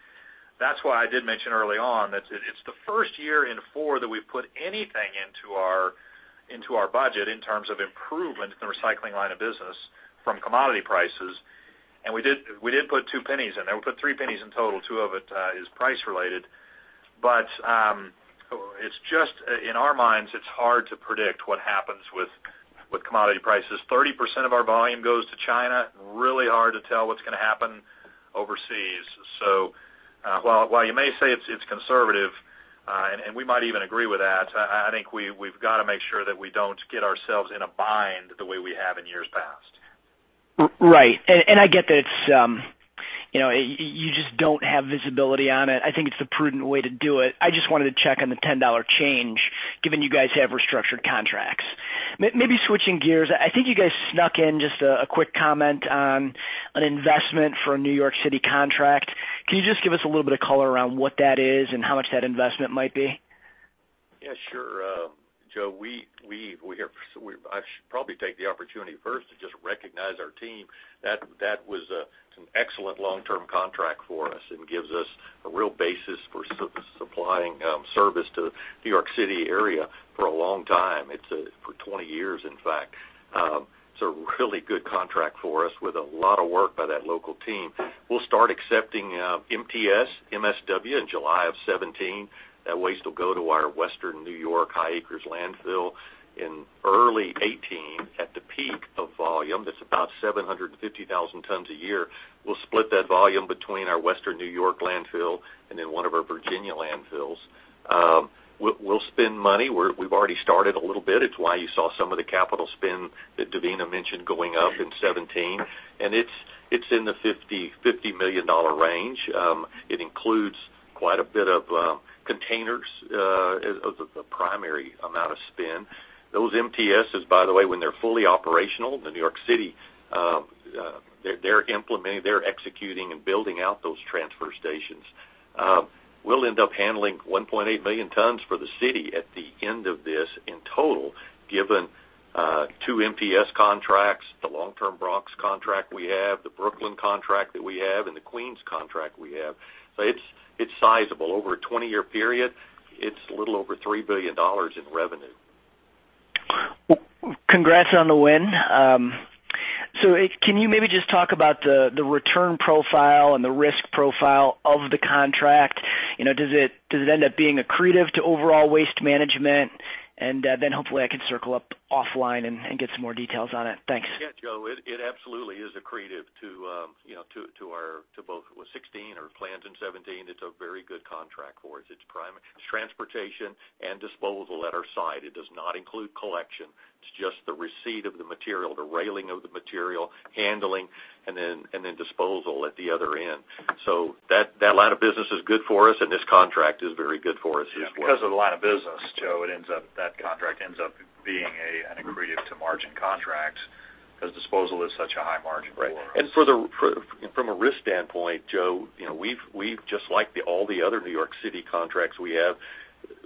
Speaker 3: That's why I did mention early on that it's the first year in four that we've put anything into our budget in terms of improvement in the recycling line of business from commodity prices, and we did put two pennies in there. We put three pennies in total. Two of it is price related. In our minds, it's hard to predict what happens with commodity prices. 30% of our volume goes to China, really hard to tell what's going to happen overseas. While you may say it's conservative, and we might even agree with that, I think we've got to make sure that we don't get ourselves in a bind the way we have in years past.
Speaker 10: Right. I get that you just don't have visibility on it. I think it's the prudent way to do it. I just wanted to check on the $10 change, given you guys have restructured contracts. Maybe switching gears, I think you guys snuck in just a quick comment on an investment for a New York City contract. Can you just give us a little bit of color around what that is and how much that investment might be?
Speaker 3: Yeah, sure. Joe, I should probably take the opportunity first to just recognize our team. That was an excellent long-term contract for us and gives us a real basis for supplying service to New York City area for a long time. It's for 20 years, in fact. It's a really good contract for us with a lot of work by that local team. We'll start accepting MTS, MSW in July of 2017. That waste will go to our Western New York High Acres landfill. In early 2018, at the peak of volume, that's about 750,000 tons a year, we'll split that volume between our Western New York landfill and then one of our Virginia landfills. We'll spend money. We've already started a little bit. It's why you saw some of the capital spend that Devina mentioned going up in 2017, and it's in the $50 million range. It includes quite a bit of containers as the primary amount of spend. Those MTSs, by the way, when they're fully operational, the New York City, they're implementing, they're executing and building out those transfer stations. We'll end up handling 1.8 million tons for the city at the end of this in total, given two MTS contracts, the long-term Bronx contract we have, the Brooklyn contract that we have, and the Queens contract we have. It's sizable. Over a 20-year period, it's a little over $3 billion in revenue.
Speaker 10: Congrats on the win. Can you maybe just talk about the return profile and the risk profile of the contract? Does it end up being accretive to overall Waste Management?
Speaker 11: Hopefully I can circle up offline and get some more details on it. Thanks.
Speaker 4: Yeah, Joe, it absolutely is accretive to both 2016 or plans in 2017. It's a very good contract for us. It's transportation and disposal at our site. It does not include collection. It's just the receipt of the material, the railing of the material, handling, and then disposal at the other end. That line of business is good for us, and this contract is very good for us as well.
Speaker 3: Yeah. Because of the line of business, Joe, that contract ends up being an accretive to margin contract, because disposal is such a high margin for us.
Speaker 4: Right. From a risk standpoint, Joe, we've just liked all the other New York City contracts we have.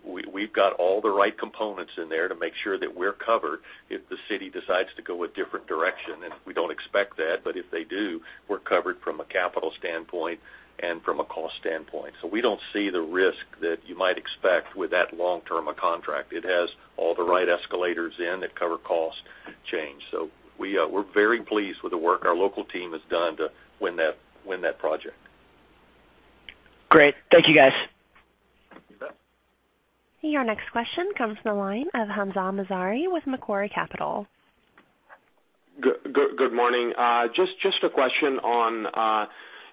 Speaker 4: We've got all the right components in there to make sure that we're covered if the city decides to go a different direction, and we don't expect that, but if they do, we're covered from a capital standpoint and from a cost standpoint. We don't see the risk that you might expect with that long-term a contract. It has all the right escalators in that cover cost change. We're very pleased with the work our local team has done to win that project.
Speaker 10: Great. Thank you, guys.
Speaker 4: You bet.
Speaker 1: Your next question comes from the line of Hamza Mazari with Macquarie Capital.
Speaker 12: Good morning. Just a question on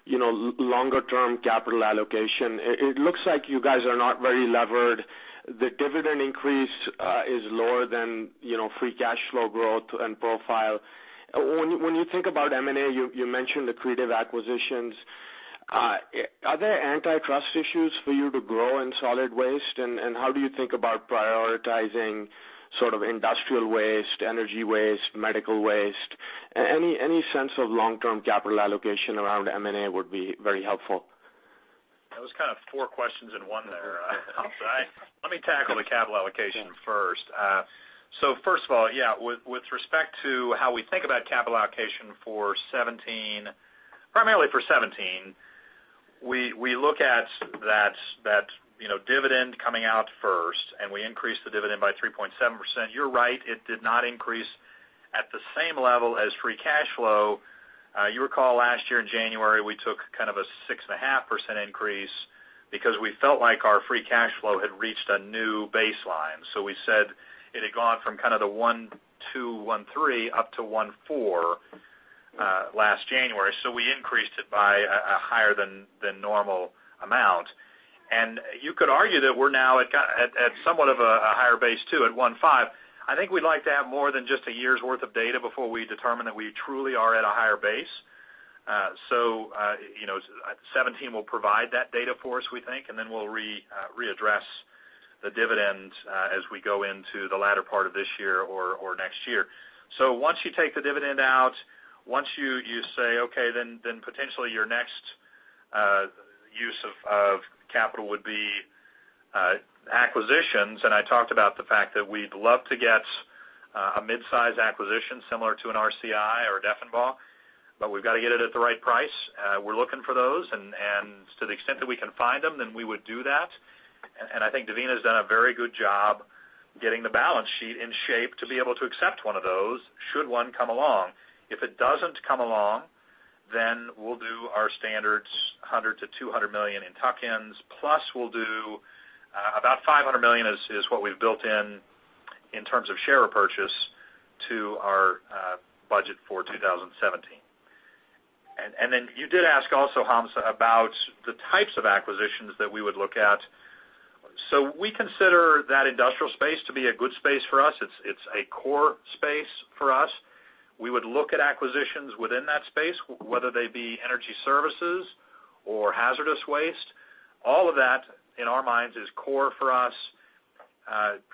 Speaker 12: longer term capital allocation. It looks like you guys are not very levered. The dividend increase is lower than free cash flow growth and profile. When you think about M&A, you mentioned accretive acquisitions. Are there antitrust issues for you to grow in solid waste? How do you think about prioritizing industrial waste, energy waste, medical waste? Any sense of long-term capital allocation around M&A would be very helpful.
Speaker 3: That was 4 questions in one there. Let me tackle the capital allocation first. First of all, yeah, with respect to how we think about capital allocation primarily for 2017, we look at that dividend coming out first, and we increased the dividend by 3.7%. You're right, it did not increase at the same level as free cash flow. You recall last year in January, we took a 6.5% increase because we felt like our free cash flow had reached a new baseline. We said it had gone from the $1.2 billion, $1.3 billion up to $1.4 billion last January. We increased it by a higher than normal amount. You could argue that we're now at somewhat of a higher base too, at $1.5 billion. I think we'd like to have more than just a year's worth of data before we determine that we truly are at a higher base. 2017 will provide that data for us, we think, and then we'll readdress the dividend as we go into the latter part of this year or next year. Once you take the dividend out, once you say, okay, potentially your next use of capital would be acquisitions. I talked about the fact that we'd love to get a mid-size acquisition similar to an RCI or a Deffenbaugh, but we've got to get it at the right price. We're looking for those, and to the extent that we can find them, then we would do that. I think Devina has done a very good job getting the balance sheet in shape to be able to accept one of those should one come along. If it doesn't come along, we'll do our standard $100 million-$200 million in tuck-ins, plus we'll do about $500 million is what we've built in terms of share repurchase to our budget for 2017. You did ask also, Hamza, about the types of acquisitions that we would look at. We consider that industrial space to be a good space for us. It's a core space for us. We would look at acquisitions within that space, whether they be energy services or hazardous waste. All of that, in our minds, is core for us,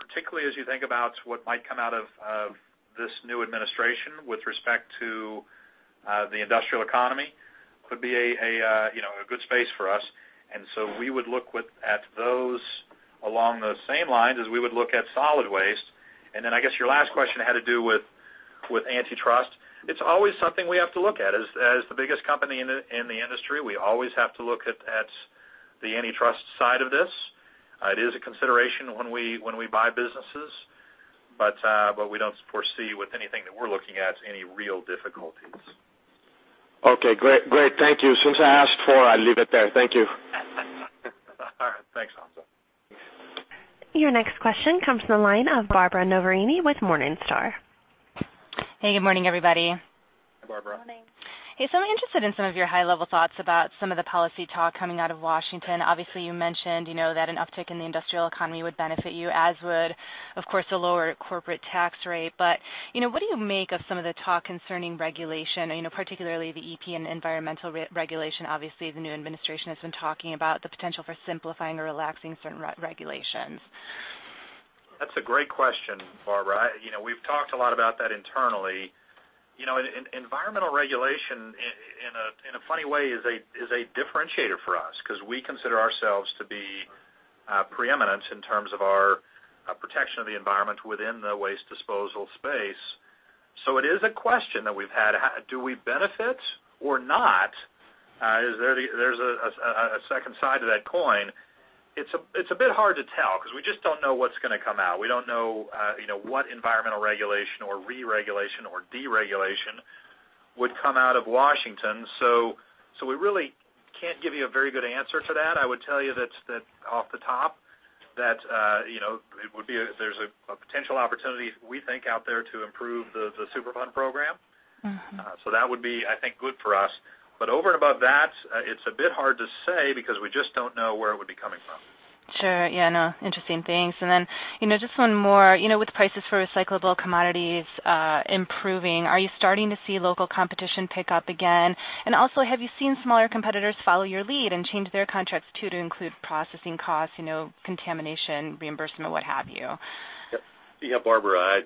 Speaker 3: particularly as you think about what might come out of this new administration with respect to the industrial economy, could be a good space for us. So we would look at those along the same lines as we would look at solid waste. Then I guess your last question had to do with antitrust. It's always something we have to look at. As the biggest company in the industry, we always have to look at the antitrust side of this. It is a consideration when we buy businesses, but we don't foresee with anything that we're looking at any real difficulties.
Speaker 12: Okay, great. Thank you. Since I asked four, I leave it there. Thank you.
Speaker 3: All right. Thanks, Hamza.
Speaker 1: Your next question comes from the line of Barbara Noverini with Morningstar.
Speaker 11: Hey, good morning, everybody.
Speaker 3: Hi, Barbara.
Speaker 12: Morning.
Speaker 11: Hey, I'm interested in some of your high-level thoughts about some of the policy talk coming out of Washington. Obviously, you mentioned that an uptick in the industrial economy would benefit you, as would, of course, a lower corporate tax rate. What do you make of some of the talk concerning regulation, particularly the EPA and environmental regulation? Obviously, the new administration has been talking about the potential for simplifying or relaxing certain regulations.
Speaker 3: That's a great question, Barbara. We've talked a lot about that internally. Environmental regulation, in a funny way, is a differentiator for us because we consider ourselves to be preeminent in terms of our protection of the environment within the waste disposal space. It is a question that we've had. Do we benefit or not? There's a second side to that coin. It's a bit hard to tell because we just don't know what's going to come out. We don't know what environmental regulation or re-regulation or deregulation would come out of Washington. We really can't give you a very good answer to that. I would tell you that off the top, there's a potential opportunity we think out there to improve the Superfund program. That would be, I think, good for us. Over and above that, it's a bit hard to say because we just don't know where it would be coming from.
Speaker 11: Sure. Yeah, I know. Interesting, thanks. Just one more. With prices for recyclable commodities improving, are you starting to see local competition pick up again? Also, have you seen smaller competitors follow your lead and change their contracts too to include processing costs, contamination, reimbursement, what have you?
Speaker 3: Yeah, Barbara,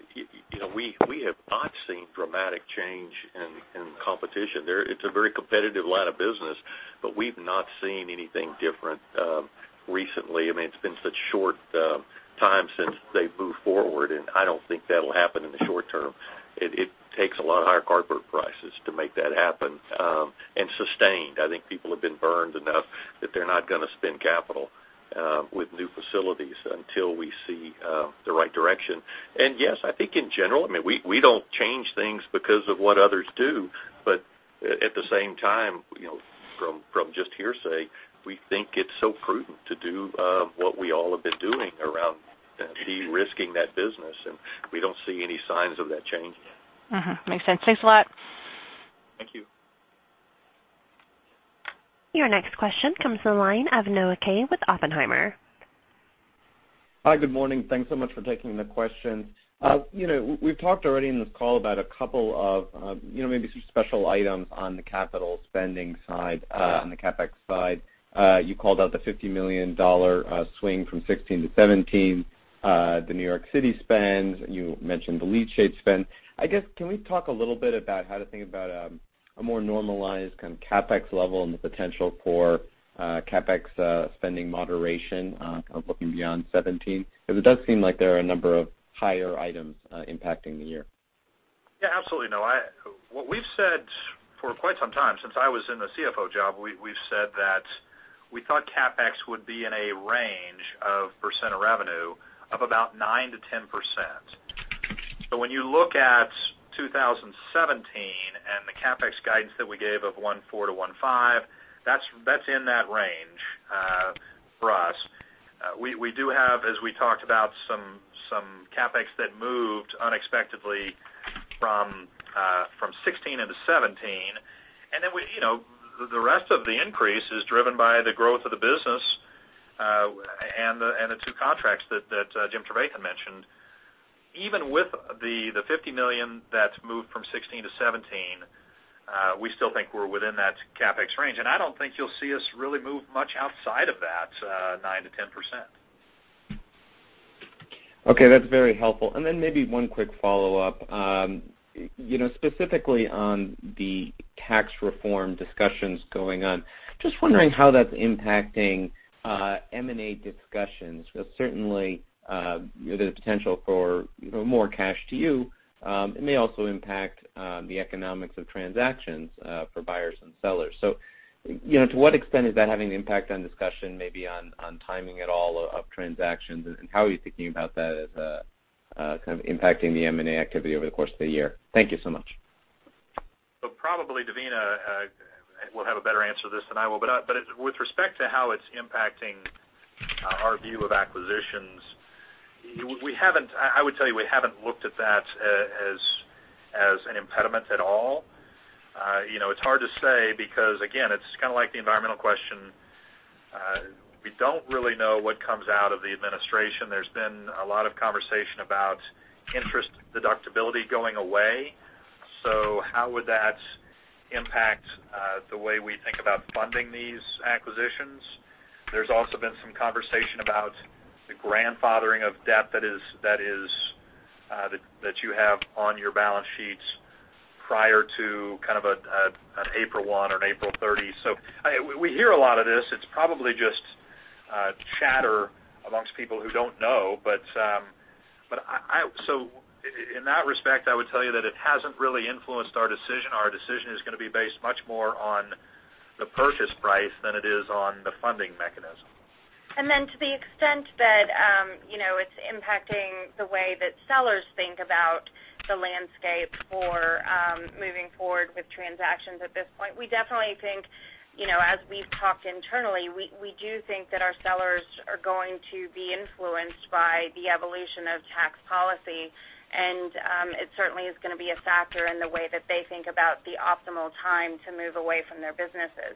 Speaker 3: we have not seen dramatic change in competition there. It's a very competitive line of business, but we've not seen anything different recently. It's been such a short time since they've moved forward, and I don't think that'll happen in the short term. It takes a lot higher cardboard prices to make that happen, and sustained. I think people have been burned enough that they're not going to spend capital with new facilities until we see the right direction. Yes, I think in general, we don't change things because of what others do. At the same time, from just hearsay, we think it's so prudent to do what we all have been doing around de-risking that business, and we don't see any signs of that changing.
Speaker 11: Makes sense. Thanks a lot.
Speaker 3: Thank you.
Speaker 1: Your next question comes from the line of Noah Kaye with Oppenheimer.
Speaker 13: Hi, good morning. Thanks so much for taking the questions.
Speaker 3: Yeah.
Speaker 13: We've talked already in this call about a couple of maybe some special items on the capital spending side, on the CapEx side. You called out the $50 million swing from 2016 to 2017, the New York City spend, you mentioned the leachate spend. I guess, can we talk a little bit about how to think about a more normalized kind of CapEx level and the potential for CapEx spending moderation kind of looking beyond 2017? It does seem like there are a number of higher items impacting the year.
Speaker 3: Absolutely, Noah. What we've said for quite some time, since I was in the CFO job, we've said that we thought CapEx would be in a range of percent of revenue of about 9%-10%. When you look at 2017 and the CapEx guidance that we gave of $1.4-$1.5, that's in that range for us. We do have, as we talked about, some CapEx that moved unexpectedly from 2016 into 2017. The rest of the increase is driven by the growth of the business, and the two contracts that Jim Trevathan mentioned. Even with the $50 million that's moved from 2016 to 2017, we still think we're within that CapEx range. I don't think you'll see us really move much outside of that 9%-10%.
Speaker 13: Okay, that's very helpful. Maybe one quick follow-up. Specifically on the tax reform discussions going on, just wondering how that's impacting M&A discussions, because certainly, there's a potential for more cash to you. It may also impact the economics of transactions for buyers and sellers. To what extent is that having an impact on discussion, maybe on timing at all of transactions, and how are you thinking about that as kind of impacting the M&A activity over the course of the year? Thank you so much.
Speaker 3: Probably Devina will have a better answer to this than I will. With respect to how it's impacting our view of acquisitions, I would tell you, we haven't looked at that as an impediment at all. It's hard to say because again, it's kind of like the environmental question. We don't really know what comes out of the administration. There's been a lot of conversation about interest deductibility going away. How would that impact the way we think about funding these acquisitions? There's also been some conversation about the grandfathering of debt that you have on your balance sheets prior to kind of an April 1 or April 30. We hear a lot of this. It's probably just chatter amongst people who don't know. In that respect, I would tell you that it hasn't really influenced our decision. Our decision is going to be based much more on the purchase price than it is on the funding mechanism.
Speaker 5: To the extent that it's impacting the way that sellers think about the landscape for moving forward with transactions at this point, we definitely think, as we've talked internally, we do think that our sellers are going to be influenced by the evolution of tax policy. It certainly is going to be a factor in the way that they think about the optimal time to move away from their businesses.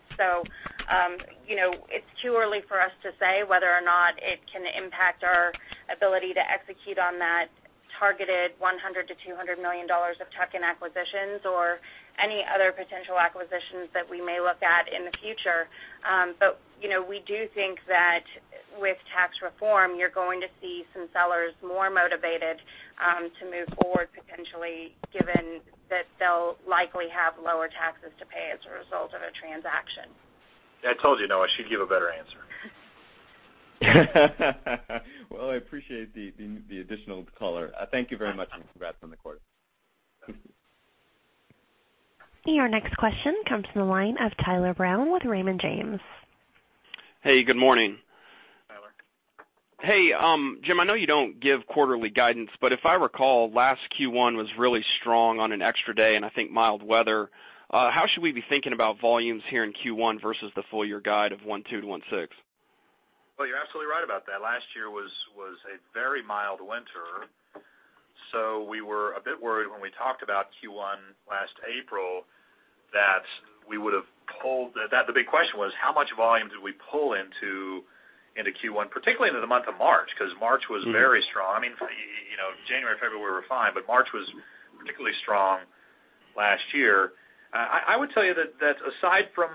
Speaker 5: It's too early for us to say whether or not it can impact our ability to execute on that targeted $100 million-$200 million of tuck-in acquisitions or any other potential acquisitions that we may look at in the future. We do think that with tax reform, you're going to see some sellers more motivated to move forward potentially, given that they'll likely have lower taxes to pay as a result of a transaction.
Speaker 3: Yeah, I told you, Noah, she'd give a better answer.
Speaker 13: Well, I appreciate the additional color. Thank you very much, and congrats on the quarter.
Speaker 1: Your next question comes from the line of Tyler Brown with Raymond James.
Speaker 14: Hey, good morning. Hey, Jim, I know you don't give quarterly guidance, but if I recall, last Q1 was really strong on an extra day, and I think mild weather. How should we be thinking about volumes here in Q1 versus the full year guide of 1.2%-1.6%?
Speaker 3: Well, you're absolutely right about that. Last year was a very mild winter. We were a bit worried when we talked about Q1 last April that the big question was, how much volume did we pull into Q1, particularly into the month of March, because March was very strong. January and February were fine, March was particularly strong last year. I would tell you that aside from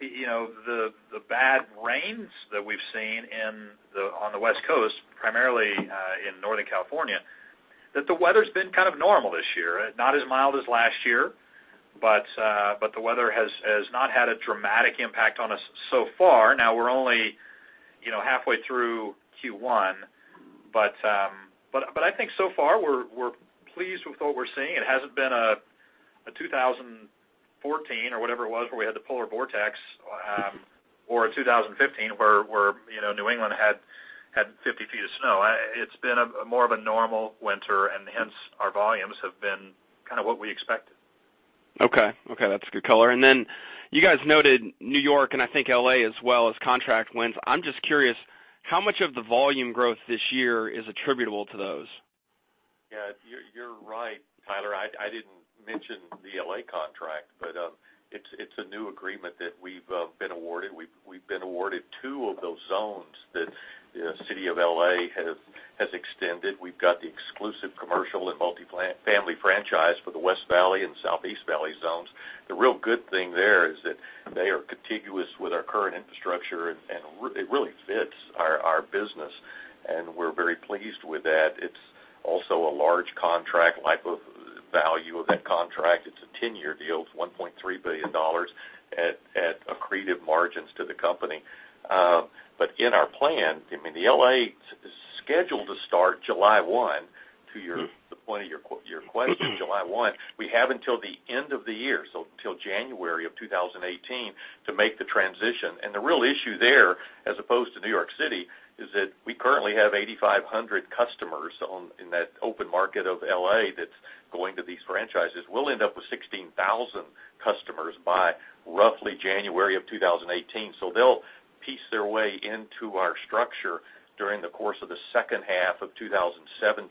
Speaker 3: the bad rains that we've seen on the West Coast, primarily in Northern California, that the weather's been kind of normal this year. Not as mild as last year, the weather has not had a dramatic impact on us so far. Now, we're only halfway through Q1. I think so far we're pleased with what we're seeing. It hasn't been a 2014 or whatever it was, where we had the polar vortex, or a 2015 where New England had 50 feet of snow. It's been more of a normal winter, hence our volumes have been kind of what we expected.
Speaker 14: Okay. That's a good color. Then you guys noted New York, I think L.A. as well as contract wins. I'm just curious, how much of the volume growth this year is attributable to those?
Speaker 3: Yeah, you're right, Tyler. I didn't mention the L.A. contract, but it's a new agreement that we've been awarded. We've been awarded two of those zones that the city of L.A. has extended. We've got the exclusive commercial and multi-family franchise for the West Valley and Southeast Valley zones. The real good thing there is that they are contiguous with our current infrastructure, and it really fits our business, and we're very pleased with that. It's also a large contract, life of value of that contract. It's a 10-year deal. It's $1.3 billion at accretive margins to the company. In our plan, the L.A. is scheduled to start July 1, to the point of your question, July 1. We have until the end of the year, so until January of 2018 to make the transition. The real issue there, as opposed to New York City, is that we currently have 8,500 customers in that open market of L.A. that's going to these franchises. We'll end up with 16,000 customers by roughly January of 2018. They'll piece their way into our structure during the course of the second half of 2017.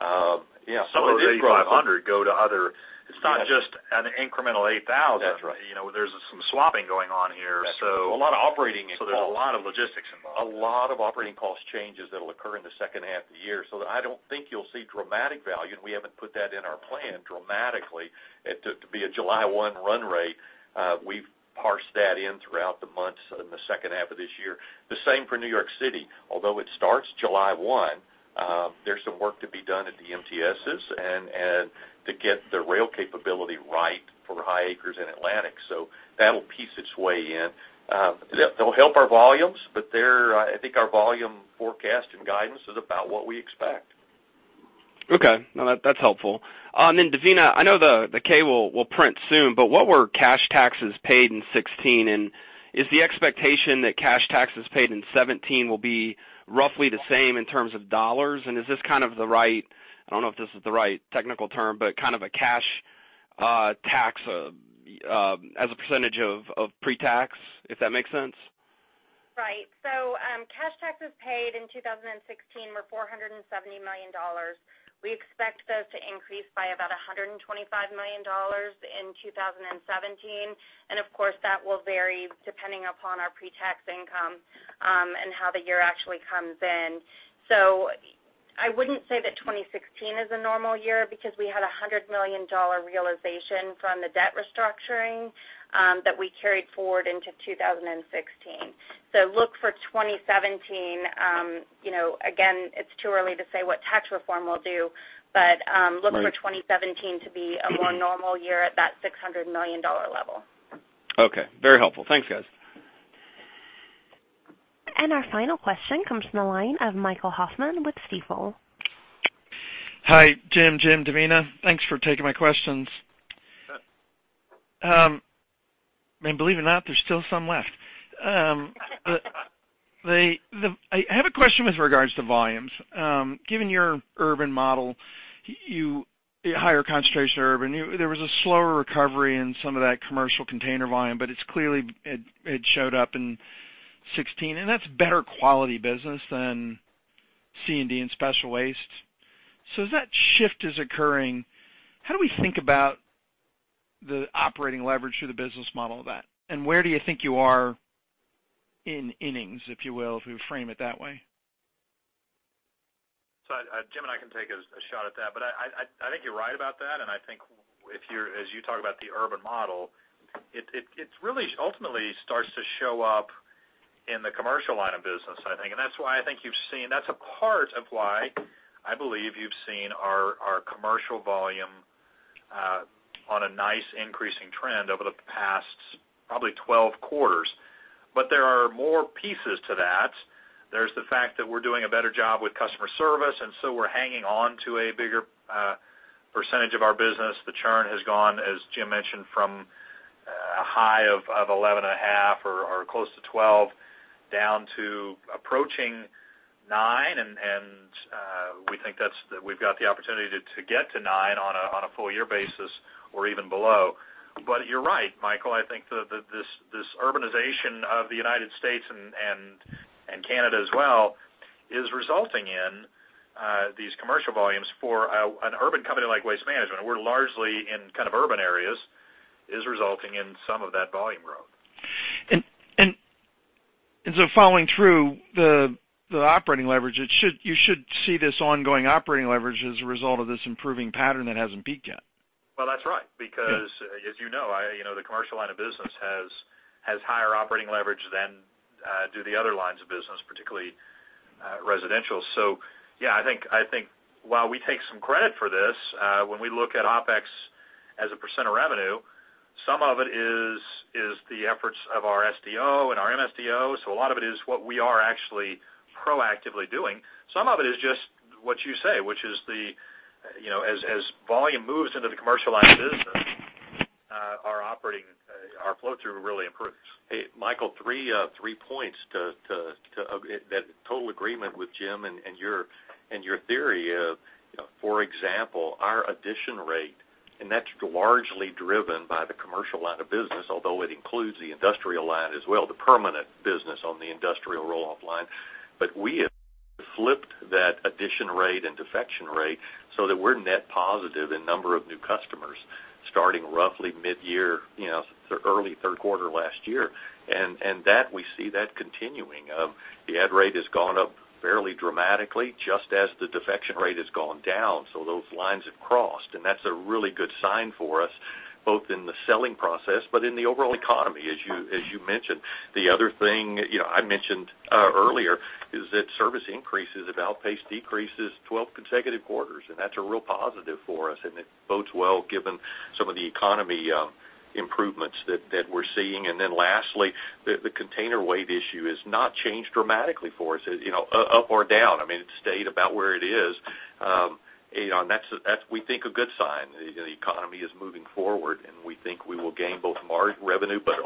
Speaker 14: Some of those 8,500 go to other.
Speaker 3: It's not just an incremental 8,000.
Speaker 14: That's right.
Speaker 3: There's some swapping going on here.
Speaker 14: That's right. A lot of operating involved.
Speaker 3: There's a lot of logistics involved.
Speaker 14: A lot of operating cost changes that'll occur in the second half of the year. I don't think you'll see dramatic value, and we haven't put that in our plan dramatically to be a July 1 run rate. We've parsed that in throughout the months in the second half of this year. The same for New York City. Although it starts July 1, there's some work to be done at the MTSs and to get the rail capability right for High Acres and Atlantic. That'll piece its way in. That'll help our volumes, but I think our volume forecast and guidance is about what we expect. Okay. No, that's helpful. Devina, I know the K will print soon, but what were cash taxes paid in 2016, and is the expectation that cash taxes paid in 2017 will be roughly the same in terms of dollars? Is this kind of the right, I don't know if this is the right technical term, but kind of a cash tax as a percentage of pre-tax, if that makes sense?
Speaker 5: Right. Cash taxes paid in 2016 were $470 million. We expect those to increase by about $125 million in 2017. Of course, that will vary depending upon our pre-tax income, and how the year actually comes in. I wouldn't say that 2016 is a normal year because we had a $100 million realization from the debt restructuring that we carried forward into 2016. Look for 2017. Again, it's too early to say what tax reform will do, but look for 2017 to be a more normal year at that $600 million level.
Speaker 14: Okay. Very helpful. Thanks, guys.
Speaker 1: Our final question comes from the line of Michael Hoffman with Stifel.
Speaker 15: Hi, Jim, Devina. Thanks for taking my questions. Believe it or not, there's still some left. I have a question with regards to volumes. Given your urban model, higher concentration of urban, there was a slower recovery in some of that commercial container volume, it showed up in 2016, and that's better quality business than C&D and special waste. As that shift is occurring, how do we think about the operating leverage through the business model of that, and where do you think you are in innings, if you will, if we frame it that way?
Speaker 3: Jim and I can take a shot at that. I think you're right about that, and I think as you talk about the urban model, it really ultimately starts to show up in the commercial line of business, I think. That's a part of why I believe you've seen our commercial volume on a nice increasing trend over the past probably 12 quarters. There are more pieces to that. There's the fact that we're doing a better job with customer service, and so we're hanging on to a bigger percentage of our business. The churn has gone, as Jim mentioned, from a high of 11.5 or close to 12 down to approaching nine, we think that we've got the opportunity to get to nine on a full year basis or even below. You're right, Michael, I think this urbanization of the U.S., and Canada as well, is resulting in these commercial volumes for an urban company like Waste Management. We're largely in urban areas, is resulting in some of that volume growth.
Speaker 15: Following through the operating leverage, you should see this ongoing operating leverage as a result of this improving pattern that hasn't peaked yet.
Speaker 3: Well, that's right.
Speaker 15: Yeah.
Speaker 3: As you know, the commercial line of business has higher operating leverage than do the other lines of business, particularly residential. Yeah, I think while we take some credit for this, when we look at OpEx as a % of revenue, some of it is the efforts of our SDO and our MSDO. A lot of it is what we are actually proactively doing. Some of it is just what you say, which is as volume moves into the commercial line of business, our flow-through really improves.
Speaker 4: Hey, Michael, three points to that total agreement with Jim and your theory of, for example, our addition rate, and that's largely driven by the commercial line of business, although it includes the industrial line as well, the permanent business on the industrial roll-off line. We have flipped that addition rate and defection rate so that we're net positive in number of new customers starting roughly mid-year, early third quarter last year. That we see that continuing. The add rate has gone up fairly dramatically, just as the defection rate has gone down. Those lines have crossed, and that's a really good sign for us, both in the selling process but in the overall economy, as you mentioned. The other thing, I mentioned earlier is that service increases have outpaced decreases 12 consecutive quarters, that's a real positive for us, and it bodes well given some of the economy improvements that we're seeing. Lastly, the container weight issue has not changed dramatically for us, up or down. It stayed about where it is. That's, we think, a good sign. The economy is moving forward, we think we will gain both revenue, but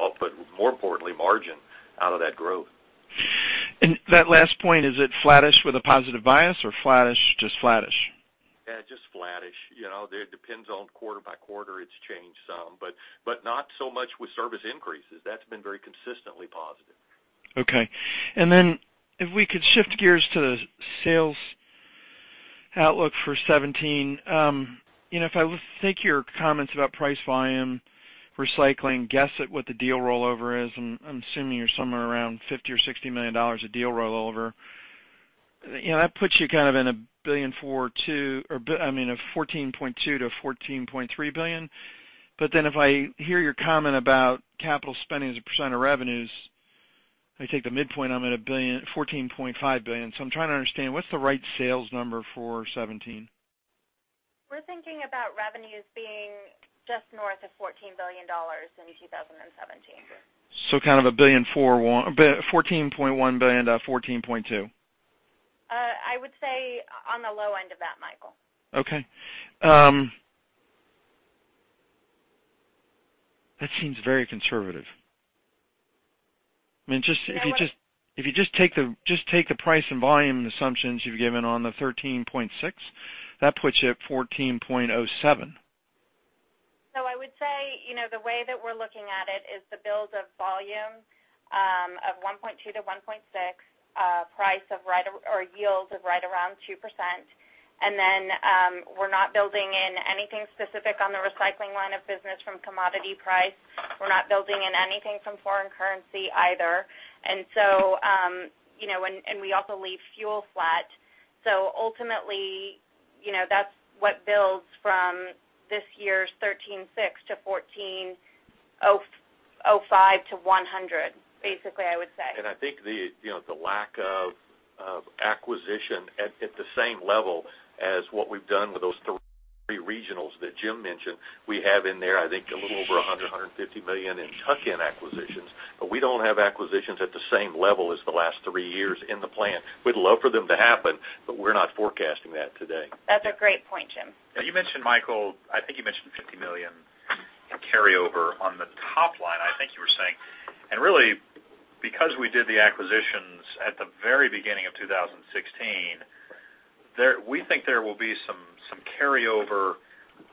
Speaker 4: more importantly, margin out of that growth.
Speaker 15: That last point, is it flattish with a positive bias or flattish, just flattish?
Speaker 4: Just flattish. It depends on quarter by quarter, it's changed some, but not so much with service increases. That's been very consistently positive.
Speaker 15: Okay. If we could shift gears to the sales outlook for 2017. If I take your comments about price volume, recycling, guess at what the deal rollover is, I'm assuming you're somewhere around $50 million or $60 million of deal rollover. That puts you in a $14.2 billion-$14.3 billion. If I hear your comment about capital spending as a percent of revenues, I take the midpoint, I'm at $14.5 billion. I'm trying to understand what's the right sales number for 2017?
Speaker 5: We're thinking about revenues being just north of $14 billion in 2017.
Speaker 15: kind of $14.1 billion-$14.2 billion.
Speaker 5: I would say on the low end of that, Michael.
Speaker 15: Okay. That seems very conservative. If you just take the price and volume assumptions you've given on the $13.6 billion, that puts you at $14.07 billion.
Speaker 5: I would say, the way that we're looking at it is the build of volume of 1.2%-1.6%, price or yield of right around 2%. Then, we're not building in anything specific on the recycling line of business from commodity price. We're not building in anything from foreign currency either. We also leave fuel flat. Ultimately, that's what builds from this year's $13.6 billion-$14.05 billion to 100, basically, I would say.
Speaker 4: I think the lack of acquisition at the same level as what we've done with those three regionals that Jim mentioned, we have in there, I think, a little over $100 million-$150 million in tuck-in acquisitions. We don't have acquisitions at the same level as the last three years in the plan. We'd love for them to happen, we're not forecasting that today.
Speaker 5: That's a great point, Jim.
Speaker 3: You mentioned, Michael, I think you mentioned $50 million in carryover on the top line, I think you were saying. Really, because we did the acquisitions at the very beginning of 2016, we think there will be some carryover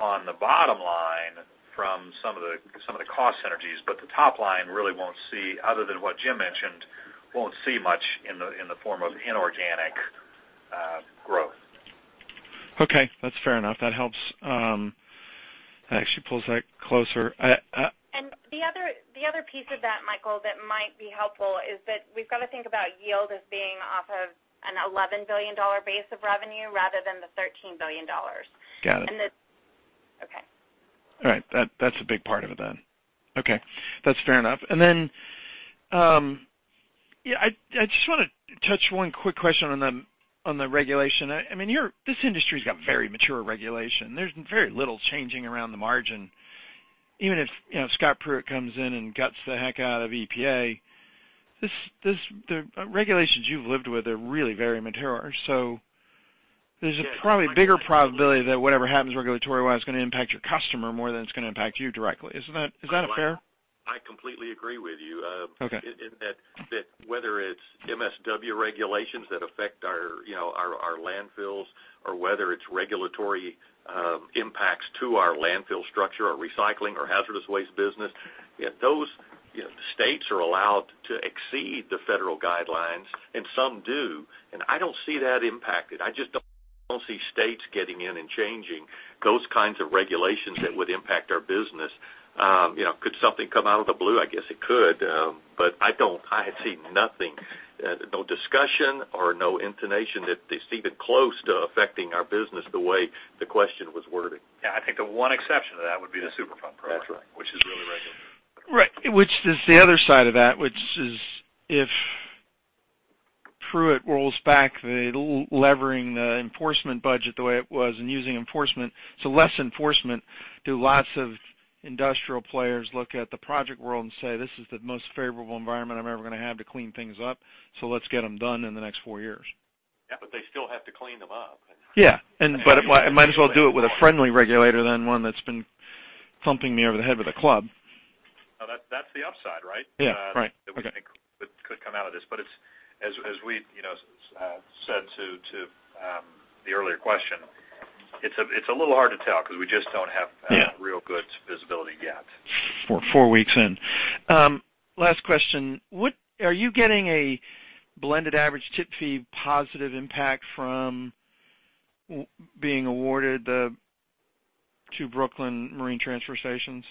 Speaker 3: on the bottom line from some of the cost synergies. The top line really won't see, other than what Jim mentioned, won't see much in the form of inorganic growth.
Speaker 15: Okay. That's fair enough. That helps. That actually pulls that closer.
Speaker 5: The other piece of that, Michael, that might be helpful is that we've got to think about yield as being off of an $11 billion base of revenue rather than the $13 billion.
Speaker 15: Got it.
Speaker 5: Okay.
Speaker 15: All right. That's a big part of it then. Okay. That's fair enough. I just want to touch one quick question on the regulation. This industry's got very mature regulation. There's very little changing around the margin. Even if Pruitt comes in and guts the heck out of EPA, the regulations you've lived with are really very mature. There's probably a bigger probability that whatever happens regulatory-wise is going to impact your customer more than it's going to impact you directly. Is that fair?
Speaker 4: I completely agree with you.
Speaker 15: Okay.
Speaker 4: In that whether it's MSW regulations that affect our landfills or whether it's regulatory impacts to our landfill structure, our recycling or hazardous waste business, those states are allowed to exceed the federal guidelines, and some do, and I don't see that impacted. I just don't see states getting in and changing those kinds of regulations that would impact our business. Could something come out of the blue? I guess it could. I see nothing, no discussion or no intonation that it's even close to affecting our business the way the question was worded.
Speaker 3: Yeah. I think the one exception to that would be the Superfund program.
Speaker 4: That's right.
Speaker 3: which is really regulatory.
Speaker 15: Right. Which is the other side of that, which is if Pruitt rolls back the levering the enforcement budget the way it was and using enforcement, less enforcement, do lots of industrial players look at the project world and say, "This is the most favorable environment I'm ever going to have to clean things up, so let's get them done in the next four years.
Speaker 3: Yeah, they still have to clean them up.
Speaker 15: Yeah. I might as well do it with a friendly regulator than one that's been clumping me over the head with a club.
Speaker 3: No, that's the upside, right?
Speaker 15: Yeah. Right. Okay.
Speaker 3: That I think could come out of this. As we said to the earlier question, it's a little hard to tell because we just don't have
Speaker 15: Yeah
Speaker 3: real good visibility yet.
Speaker 15: Four weeks in. Last question. Are you getting a blended average tip fee positive impact from being awarded the two Brooklyn Marine transfer stations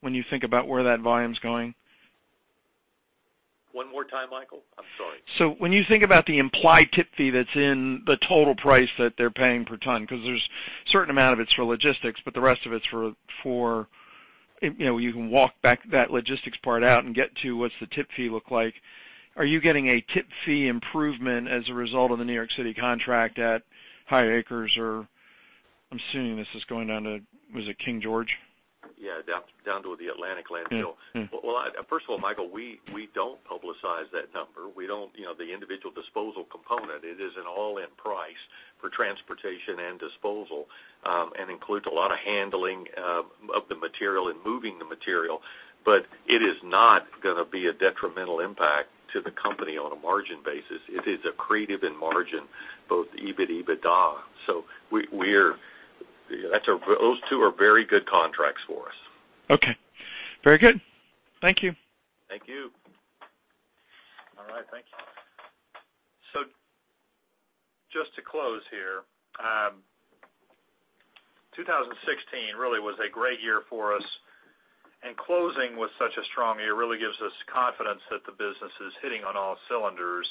Speaker 15: when you think about where that volume's going?
Speaker 4: One more time, Michael? I'm sorry.
Speaker 15: When you think about the implied tip fee that's in the total price that they're paying per ton, because there's a certain amount of it's for logistics, but the rest of it's for. You can walk back that logistics part out and get to what's the tip fee look like. Are you getting a tip fee improvement as a result of the New York City contract at High Acres or, I'm assuming this is going down to, was it King George?
Speaker 4: Yeah, down to the Atlantic Landfill. First of all, Michael, we don't publicize that number. The individual disposal component, it is an all-in price for transportation and disposal, and includes a lot of handling of the material and moving the material. It is not going to be a detrimental impact to the company on a margin basis. It is accretive in margin, both EBIT, EBITDA. Those two are very good contracts for us.
Speaker 15: Very good. Thank you.
Speaker 4: Thank you.
Speaker 3: Thank you. Just to close here, 2016 really was a great year for us, and closing with such a strong year really gives us confidence that the business is hitting on all cylinders.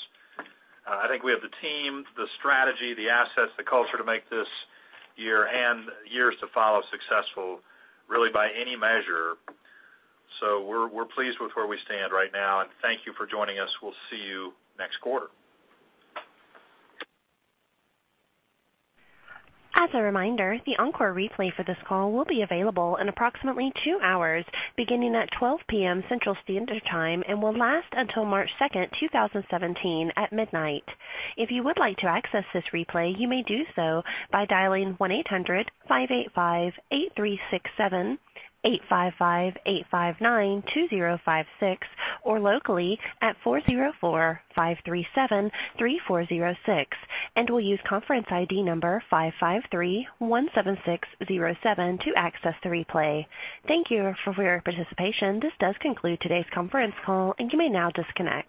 Speaker 3: I think we have the team, the strategy, the assets, the culture to make this year and years to follow successful really by any measure. We're pleased with where we stand right now, and thank you for joining us. We'll see you next quarter.
Speaker 1: As a reminder, the encore replay for this call will be available in approximately two hours, beginning at 12:00 PM Central Standard Time, and will last until March 2nd, 2017 at midnight. If you would like to access this replay, you may do so by dialing 1-800-585-8367, 855-859-2056, or locally at 404-537-3406, and we'll use conference ID number 55317607 to access the replay. Thank you for your participation. This does conclude today's conference call, and you may now disconnect.